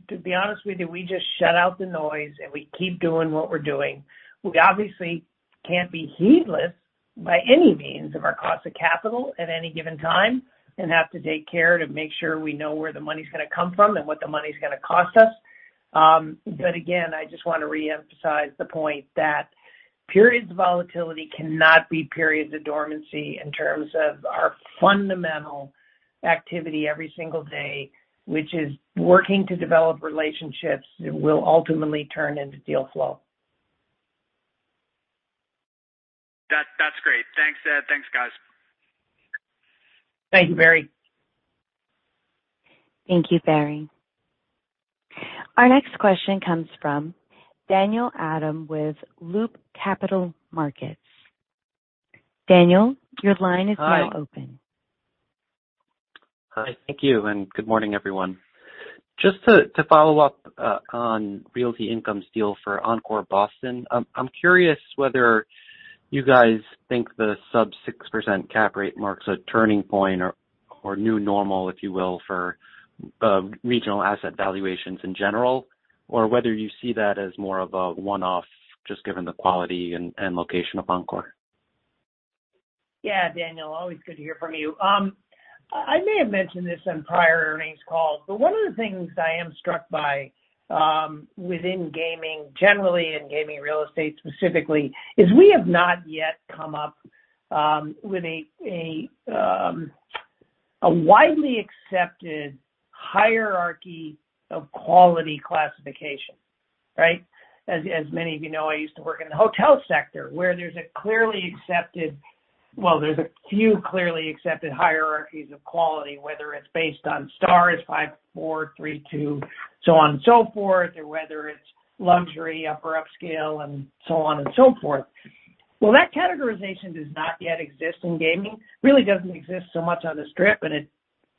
To be honest with you, we just shut out the noise, and we keep doing what we're doing. We obviously can't be heedless by any means of our cost of capital at any given time and have to take care to make sure we know where the money's gonna come from and what the money's gonna cost us. Again, I just wanna reemphasize the point that periods of volatility cannot be periods of dormancy in terms of our fundamental activity every single day, which is working to develop relationships that will ultimately turn into deal flow. That, that's great. Thanks, Ed. Thanks, guys. Thank you, Barry. Thank you, Barry. Our next question comes from Daniel Adam with Loop Capital Markets. Daniel, your line is now open. Hi. Thank you, and good morning, everyone. Just to follow up on Realty Income's deal for Encore Boston, I'm curious whether you guys think the sub 6% cap rate marks a turning point or new normal, if you will, for regional asset valuations in general, or whether you see that as more of a one-off just given the quality and location of Encore. Yeah, Daniel, always good to hear from you. I may have mentioned this in prior earnings calls, but one of the things I am struck by within gaming generally and gaming real estate specifically is we have not yet come up with a widely accepted hierarchy of quality classification, right? As many of you know, I used to work in the hotel sector where there's a few clearly accepted hierarchies of quality, whether it's based on stars, 5, 4, 3, 2, so on and so forth, or whether it's luxury, upper upscale, and so on and so forth. Well, that categorization does not yet exist in gaming. It really doesn't exist so much on the Strip, and it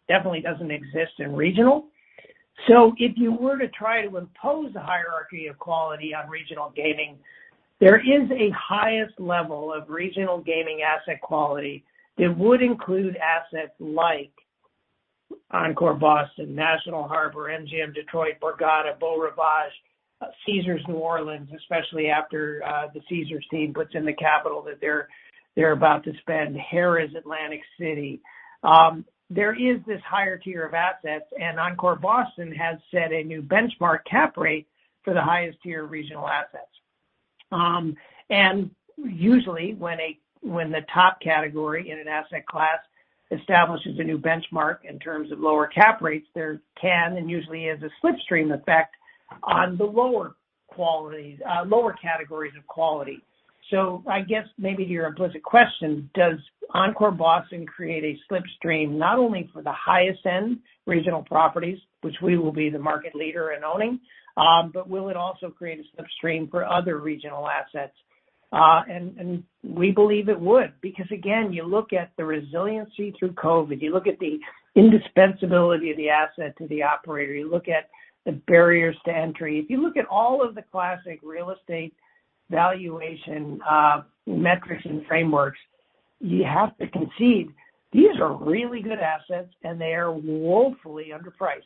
definitely doesn't exist in regional. If you were to try to impose a hierarchy of quality on regional gaming, there is a highest level of regional gaming asset quality that would include assets like Encore Boston Harbor, MGM National Harbor, MGM Grand Detroit, Borgata, Beau Rivage, Caesars New Orleans, especially after the Caesars team puts in the capital that they're about to spend, Harrah's Atlantic City. There is this higher tier of assets, and Encore Boston Harbor has set a new benchmark cap rate for the highest tier regional assets. Usually when the top category in an asset class establishes a new benchmark in terms of lower cap rates, there can and usually is a slipstream effect on the lower quality, lower categories of quality. I guess maybe your implicit question, does Encore Boston create a slipstream not only for the highest end regional properties, which we will be the market leader in owning, but will it also create a slipstream for other regional assets? We believe it would because again, you look at the resiliency through COVID, you look at the indispensability of the asset to the operator, you look at the barriers to entry. If you look at all of the classic real estate valuation metrics and frameworks, you have to concede these are really good assets, and they are woefully underpriced.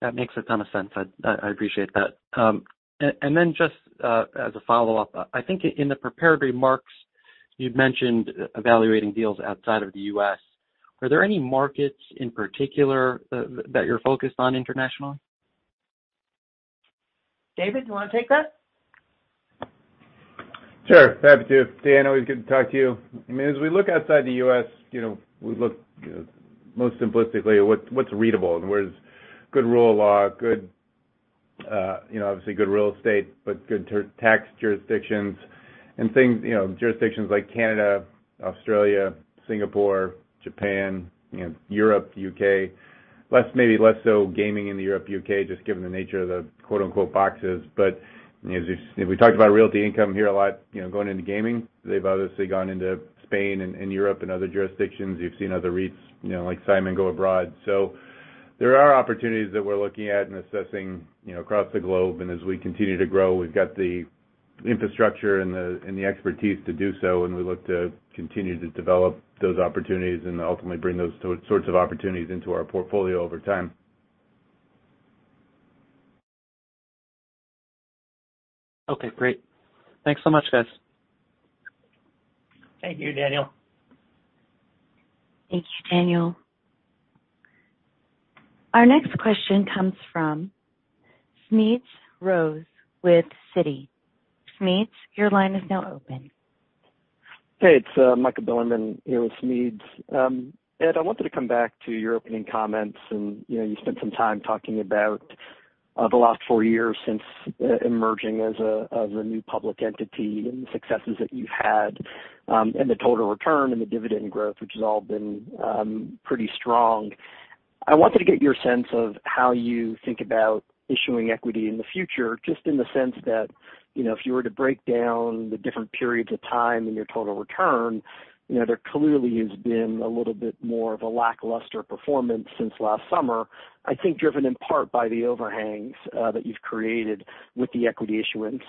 That makes a ton of sense. I appreciate that. Then just as a follow-up, I think in the prepared remarks, you'd mentioned evaluating deals outside of the U.S. Are there any markets in particular that you're focused on internationally? David, do you wanna take that? Sure, happy to. Dan, always good to talk to you. I mean, as we look outside the U.S., you know, we look most simplistically at what's readable and where's good rule of law, good, you know, obviously good real estate, but good tax jurisdictions and things, you know, jurisdictions like Canada, Australia, Singapore, Japan, you know, Europe, U.K. Maybe less so gaming in the Europe, U.K., just given the nature of the, quote-unquote, boxes. But, you know, we talked about Realty Income here a lot, you know, going into gaming. They've obviously gone into Spain and Europe and other jurisdictions. You've seen other REITs, you know, like Simon go abroad. There are opportunities that we're looking at and assessing, you know, across the globe. As we continue to grow, we've got the infrastructure and the expertise to do so, and we look to continue to develop those opportunities and ultimately bring those sorts of opportunities into our portfolio over time. Okay, great. Thanks so much, guys. Thank you, Daniel. Thank you, Daniel. Our next question comes from Smedes Rose with Citi. Smedes, your line is now open. Hey, it's Michael Bilerman here with Smedes. Ed, I wanted to come back to your opening comments and, you know, you spent some time talking about the last four years since emerging as a new public entity and the successes that you've had, and the total return and the dividend growth, which has all been pretty strong. I wanted to get your sense of how you think about issuing equity in the future, just in the sense that, you know, if you were to break down the different periods of time in your total return, you know, there clearly has been a little bit more of a lackluster performance since last summer. I think it's driven in part by the overhangs that you've created with the equity issuances,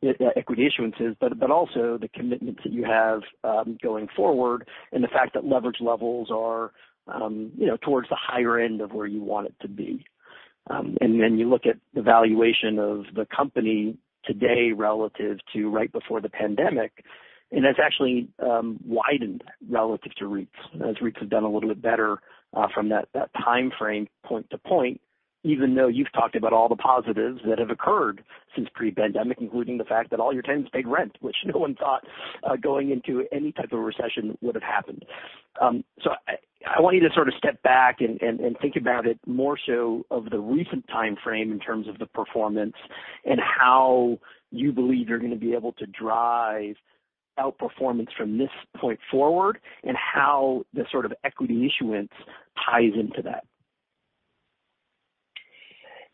but also the commitments that you have going forward and the fact that leverage levels are, you know, towards the higher end of where you want it to be. Then you look at the valuation of the company today relative to right before the pandemic, and that's actually widened relative to REITs. As REITs have done a little bit better from that timeframe point to point, even though you've talked about all the positives that have occurred since pre-pandemic, including the fact that all your tenants paid rent, which no one thought going into any type of recession would have happened. I want you to sort of step back and think about it more so of the recent timeframe in terms of the performance and how you believe you're gonna be able to drive outperformance from this point forward and how the sort of equity issuance ties into that.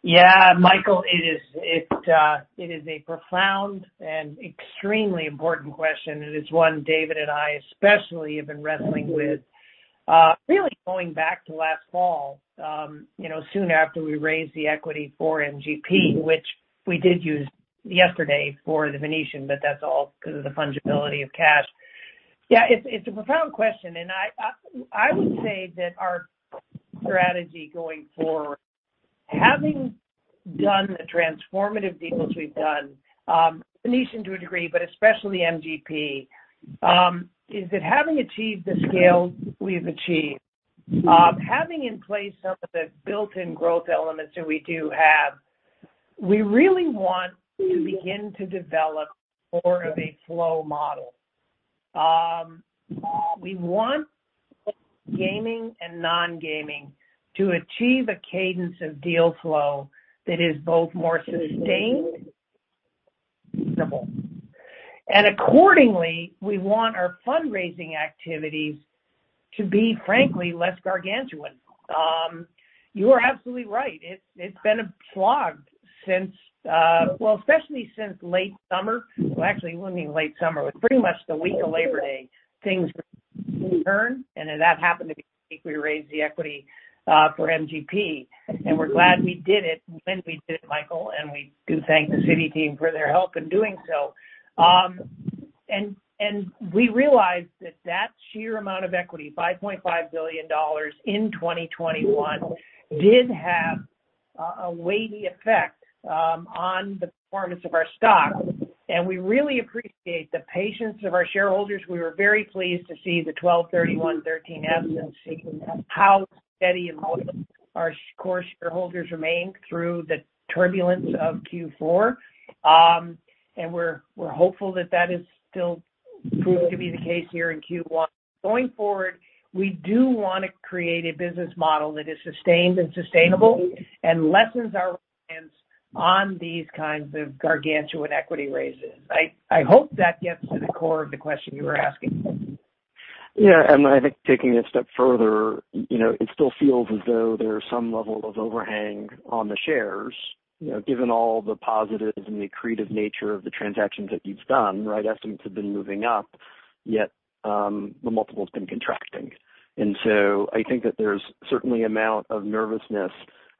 Yeah, Michael, it is a profound and extremely important question, and it's one David and I especially have been wrestling with, really going back to last fall, you know, soon after we raised the equity for MGP, which we did use yesterday for The Venetian, but that's all because of the fungibility of cash. Yeah, it's a profound question, and I would say that our strategy going forward, having done the transformative deals we've done, Venetian to a degree, but especially MGP, is that having achieved the scale we've achieved, having in place some of the built-in growth elements that we do have, we really want to begin to develop more of a flow model. We want gaming and non-gaming to achieve a cadence of deal flow that is both more sustained and predictable. Accordingly, we want our fundraising activities to be, frankly, less gargantuan. You are absolutely right. It's been a slog since, well, especially since late summer. Actually, it wouldn't be late summer. It was pretty much the week of Labor Day. Things returned, and that happened to be the week we raised the equity for MGP. We're glad we did it when we did it, Michael, and we do thank the Citi team for their help in doing so. We realized that that sheer amount of equity, $5.5 billion in 2021, did have a weighty effect on the performance of our stock. We really appreciate the patience of our shareholders. We were very pleased to see the 12/31 13F and seeing how steady our core shareholders remained through the turbulence of Q4. We're hopeful that is still proved to be the case here in Q1. Going forward, we do wanna create a business model that is sustained and sustainable and lessens our reliance on these kinds of gargantuan equity raises. I hope that gets to the core of the question you were asking. Yeah. I think taking it a step further, you know, it still feels as though there's some level of overhang on the shares. You know, given all the positives and the accretive nature of the transactions that you've done, right, estimates have been moving up, yet, the multiple's been contracting. I think that there's certainly amount of nervousness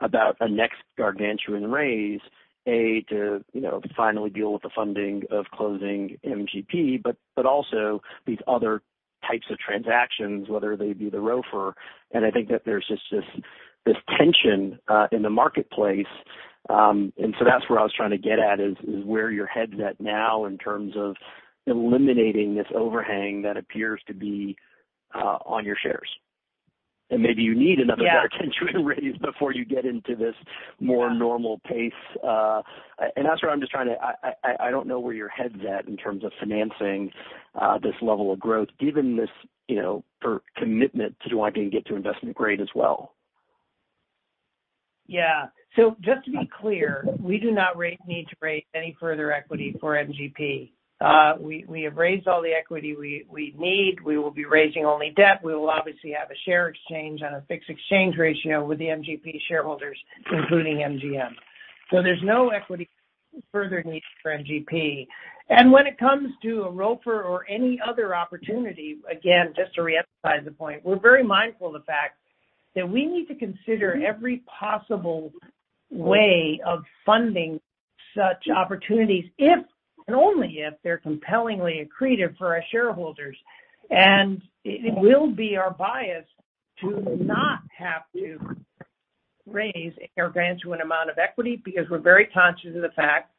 about a next gargantuan raise to, you know, finally deal with the funding of closing MGP, but also these other types of transactions, whether they be the ROFR. I think that there's just this tension in the marketplace. That's where I was trying to get at is where your head's at now in terms of eliminating this overhang that appears to be on your shares. Maybe you need another gargantuan raise before you get into this more normal pace. That's where I'm just trying to, I don't know where your head's at in terms of financing this level of growth, given this, you know, or commitment to wanting to get to investment grade as well. Yeah. Just to be clear, we do not need to raise any further equity for MGP. We have raised all the equity we need. We will be raising only debt. We will obviously have a share exchange on a fixed exchange ratio with the MGP shareholders, including MGM. There's no equity further needed for MGP. When it comes to a ROFR or any other opportunity, again, just to reemphasize the point, we're very mindful of the fact that we need to consider every possible way of funding such opportunities if and only if they're compellingly accretive for our shareholders. It will be our bias to not have to raise or gargantuan amount of equity because we're very conscious of the fact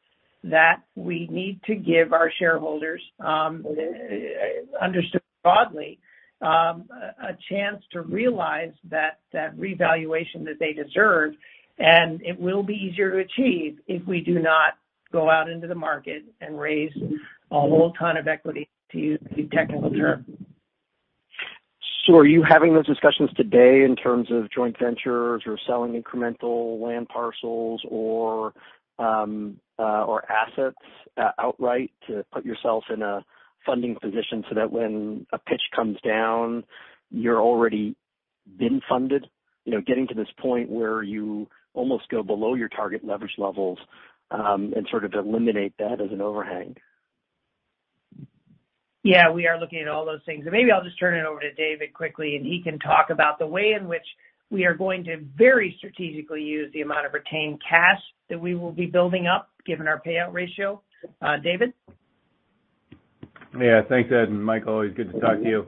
that we need to give our shareholders, understood broadly, a chance to realize that revaluation that they deserve, and it will be easier to achieve if we do not go out into the market and raise a whole ton of equity, to use the technical term. Are you having those discussions today in terms of joint ventures or selling incremental land parcels or assets outright to put yourself in a funding position so that when a pitch comes down, you're already been funded, you know, getting to this point where you almost go below your target leverage levels and sort of eliminate that as an overhang? Yeah, we are looking at all those things. Maybe I'll just turn it over to David quickly, and he can talk about the way in which we are going to very strategically use the amount of retained cash that we will be building up given our payout ratio. David? Yeah. Thanks, Ed. Michael, always good to talk to you.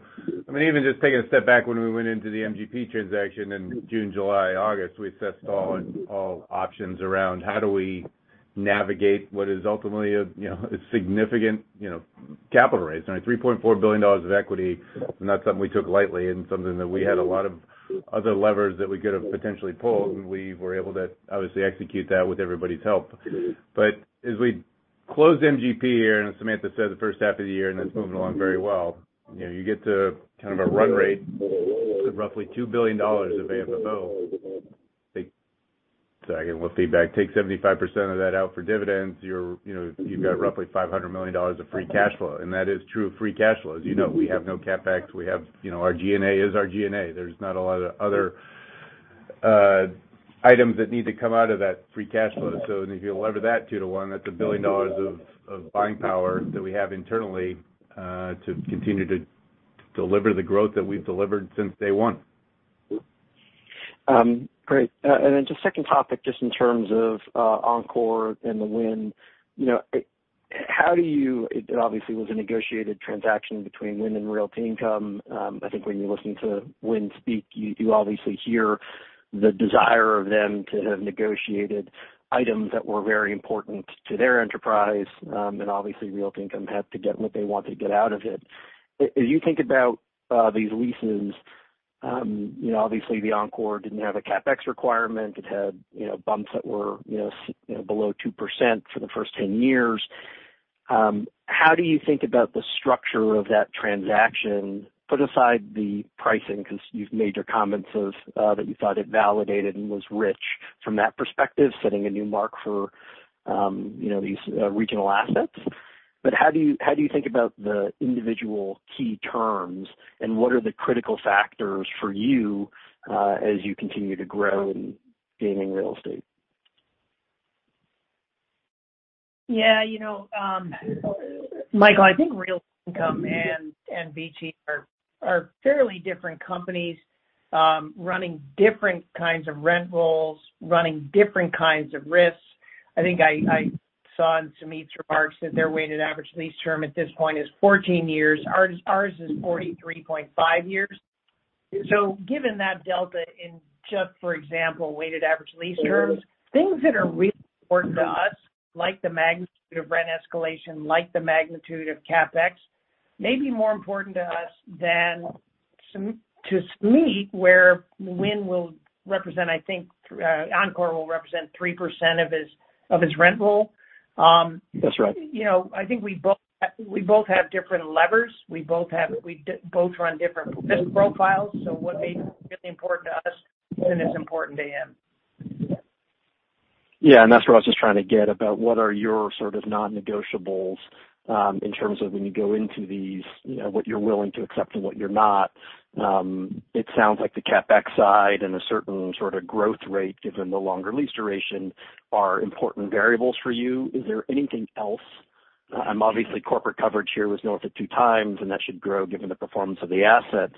I mean, even just taking a step back when we went into the MGP transaction in June, July, August, we assessed all options around how do we navigate what is ultimately a, you know, a significant, you know, capital raise. I mean, $3.4 billion of equity, not something we took lightly and something that we had a lot of other levers that we could have potentially pulled, and we were able to obviously execute that with everybody's help. As we close MGP here, and as Samantha said, the first half of the year, and it's moving along very well, you know, you get to kind of a run rate of roughly $2 billion of AFFO. Sorry, I get a little feedback. Take 75% of that out for dividends, you know, you've got roughly $500 million of free cash flow. That is true free cash flow. As you know, we have no CapEx. We have, you know, our G&A is our G&A. There's not a lot of other items that need to come out of that free cash flow. If you lever that 2-to-1, that's $1 billion of buying power that we have internally to continue to deliver the growth that we've delivered since day one. Great. Just second topic, just in terms of Encore and the Wynn. You know, it obviously was a negotiated transaction between Wynn and Realty Income. I think when you listen to Wynn speak, you obviously hear the desire of them to have negotiated items that were very important to their enterprise, and obviously, Realty Income had to get what they want to get out of it. As you think about these leases, you know, obviously, the Encore didn't have a CapEx requirement. It had, you know, bumps that were, you know, below 2% for the first 10 years. How do you think about the structure of that transaction? Put aside the pricing because you've made your comments of that you thought it validated and was rich from that perspective, setting a new mark for you know these regional assets. But how do you think about the individual key terms, and what are the critical factors for you as you continue to grow in gaming real estate? Yeah. You know, Michael, I think Realty Income and VICI are fairly different companies, running different kinds of rent rolls, running different kinds of risks. I think I saw in Sumit's remarks that their weighted average lease term at this point is 14 years. Ours is 43.5 years. Given that delta in just, for example, weighted average lease terms, things that are really important to us, like the magnitude of rent escalation, like the magnitude of CapEx, may be more important to us than to Sumit, where Wynn will represent, I think, Encore will represent 3% of his rent roll. That's right. You know, I think we both have different levers. We both run different risk profiles. What may be really important to us isn't as important to him. Yeah. That's where I was just trying to get about what are your sort of non-negotiables, in terms of when you go into these, you know, what you're willing to accept and what you're not. It sounds like the CapEx side and a certain sort of growth rate, given the longer lease duration, are important variables for you. Is there anything else? Obviously corporate coverage here was noted 2x, and that should grow given the performance of the asset.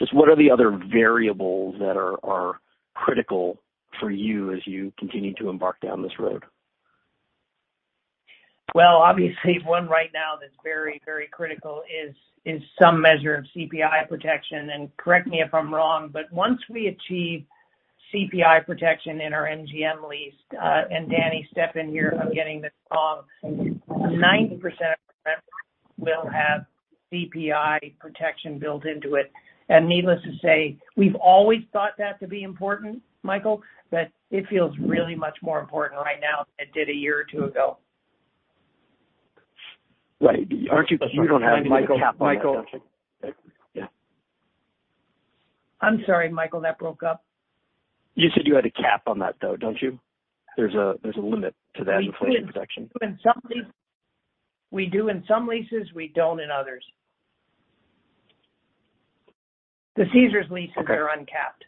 Just what are the other variables that are critical for you as you continue to embark down this road? Well, obviously one right now that's very, very critical is some measure of CPI protection. Correct me if I'm wrong, but once we achieve CPI protection in our MGM lease, and Danny, step in here if I'm getting this wrong, 90% of our rents will have CPI protection built into it. Needless to say, we've always thought that to be important, Michael, but it feels really much more important right now than it did a year or two ago. Right. You don't have any cap on that, don't you? I'm sorry, Michael, that broke up. You said you had a cap on that, though, don't you? There's a limit to that inflation protection. We do in some leases. We don't in others. The Caesars leases are uncapped,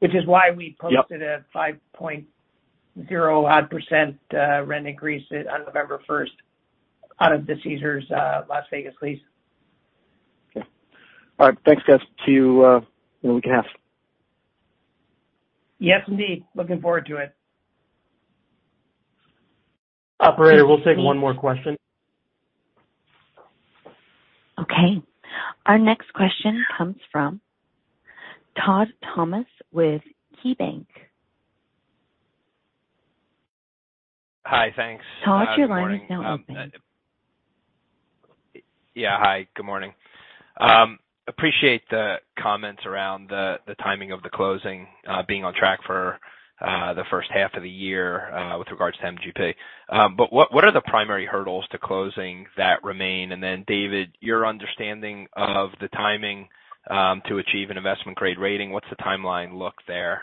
which is why we posted a 5.0% rent increase on November 1 out of the Caesars Las Vegas lease. Okay. All right. Thanks, guys. See you in a week and a half. Yes, indeed. Looking forward to it. Operator, we'll take one more question. Our next question comes from Todd Thomas with KeyBanc. Hi. Thanks. Todd, your line is now open. Yeah, hi, good morning. Appreciate the comments around the timing of the closing being on track for the first half of the year with regards to MGP. But what are the primary hurdles to closing that remain? David, your understanding of the timing to achieve an investment grade rating. What's the timeline look there?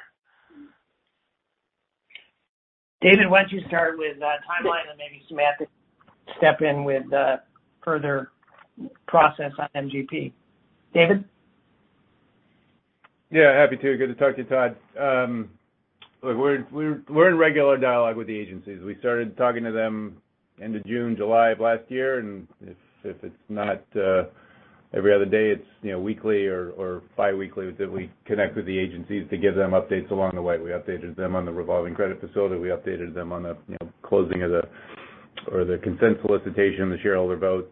David, why don't you start with the timeline and maybe Samantha step in with further process on MGP. David? Yeah, happy to. Good to talk to you, Todd. Look, we're in regular dialogue with the agencies. We started talking to them end of June, July of last year, and if it's not every other day, it's, you know, weekly or bi-weekly that we connect with the agencies to give them updates along the way. We updated them on the revolving credit facility. We updated them on the, you know, closing of the consent solicitation, the shareholder vote.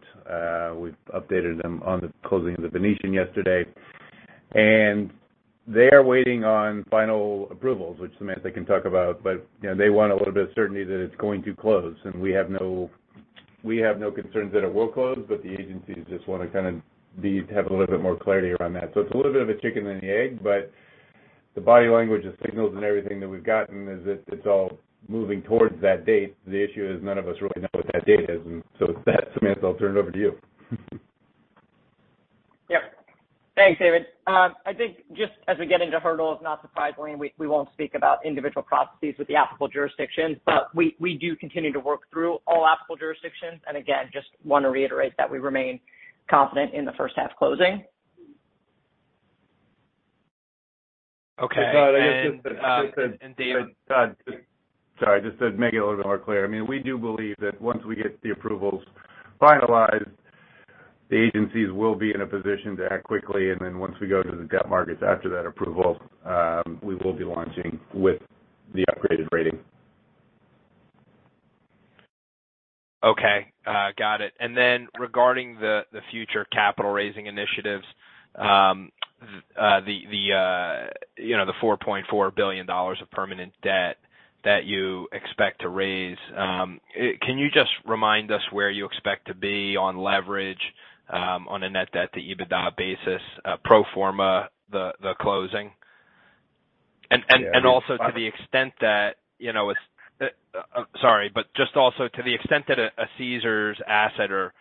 We've updated them on the closing of The Venetian yesterday. They are waiting on final approvals, which Samantha can talk about, but, you know, they want a little bit of certainty that it's going to close, and we have no concerns that it will close, but the agencies just wanna kind of have a little bit more clarity around that. It's a little bit of a chicken and the egg, but the body language, the signals and everything that we've gotten is that it's all moving towards that date. The issue is none of us really know what that date is, and so with that, Samantha, I'll turn it over to you. Yep. Thanks, David. I think just as we get into hurdles, not surprisingly, we won't speak about individual processes with the applicable jurisdictions, but we do continue to work through all applicable jurisdictions. Again, just wanna reiterate that we remain confident in the first half closing. Okay. David- Todd, sorry, just to make it a little bit more clear, I mean, we do believe that once we get the approvals finalized, the agencies will be in a position to act quickly. Then once we go to the debt markets after that approval, we will be launching with the upgraded rating. Okay. Got it. Regarding the future capital raising initiatives, you know, the $4.4 billion of permanent debt that you expect to raise, can you just remind us where you expect to be on leverage, on a net debt to EBITDA basis, pro forma the closing? Yeah. Also to the extent that a Caesars asset or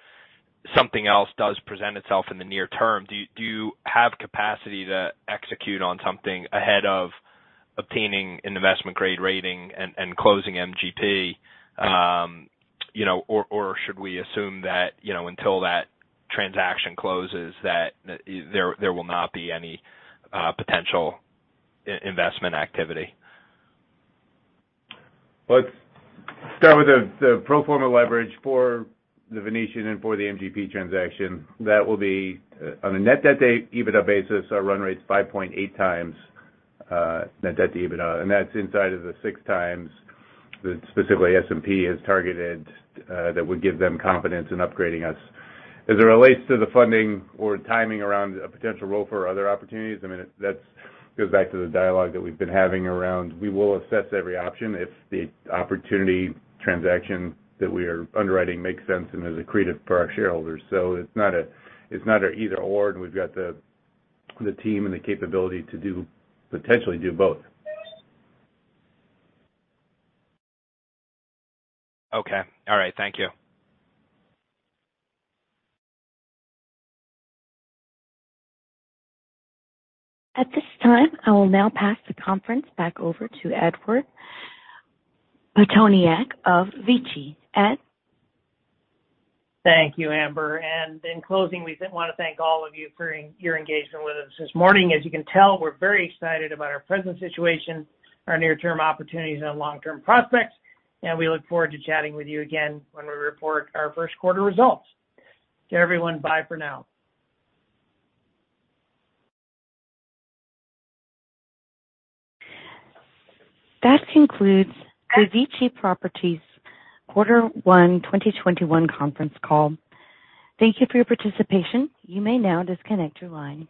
something else does present itself in the near term, do you have capacity to execute on something ahead of obtaining an investment grade rating and closing MGP? You know, or should we assume that until that transaction closes there will not be any potential investment activity? Let's start with the pro forma leverage for The Venetian and for the MGP transaction. That will be on a net debt-to-EBITDA basis, our run rate's 5.8 times net debt to EBITDA, and that's inside of the 6 times that specifically S&P has targeted, that would give them confidence in upgrading us. As it relates to the funding or timing around a potential role for other opportunities, I mean, that's goes back to the dialogue that we've been having around we will assess every option if the opportunity transaction that we are underwriting makes sense and is accretive for our shareholders. It's not a, it's not an either/or, and we've got the team and the capability to do potentially both. Okay. All right. Thank you. At this time, I will now pass the conference back over to Ed Pitoniak of VICI. Ed? Thank you, Amber. In closing, we wanna thank all of you for your engagement with us this morning. As you can tell, we're very excited about our present situation, our near-term opportunities and long-term prospects, and we look forward to chatting with you again when we report our first quarter results. To everyone, bye for now. That concludes the VICI Properties Quarter One 2021 conference call. Thank you for your participation. You may now disconnect your line.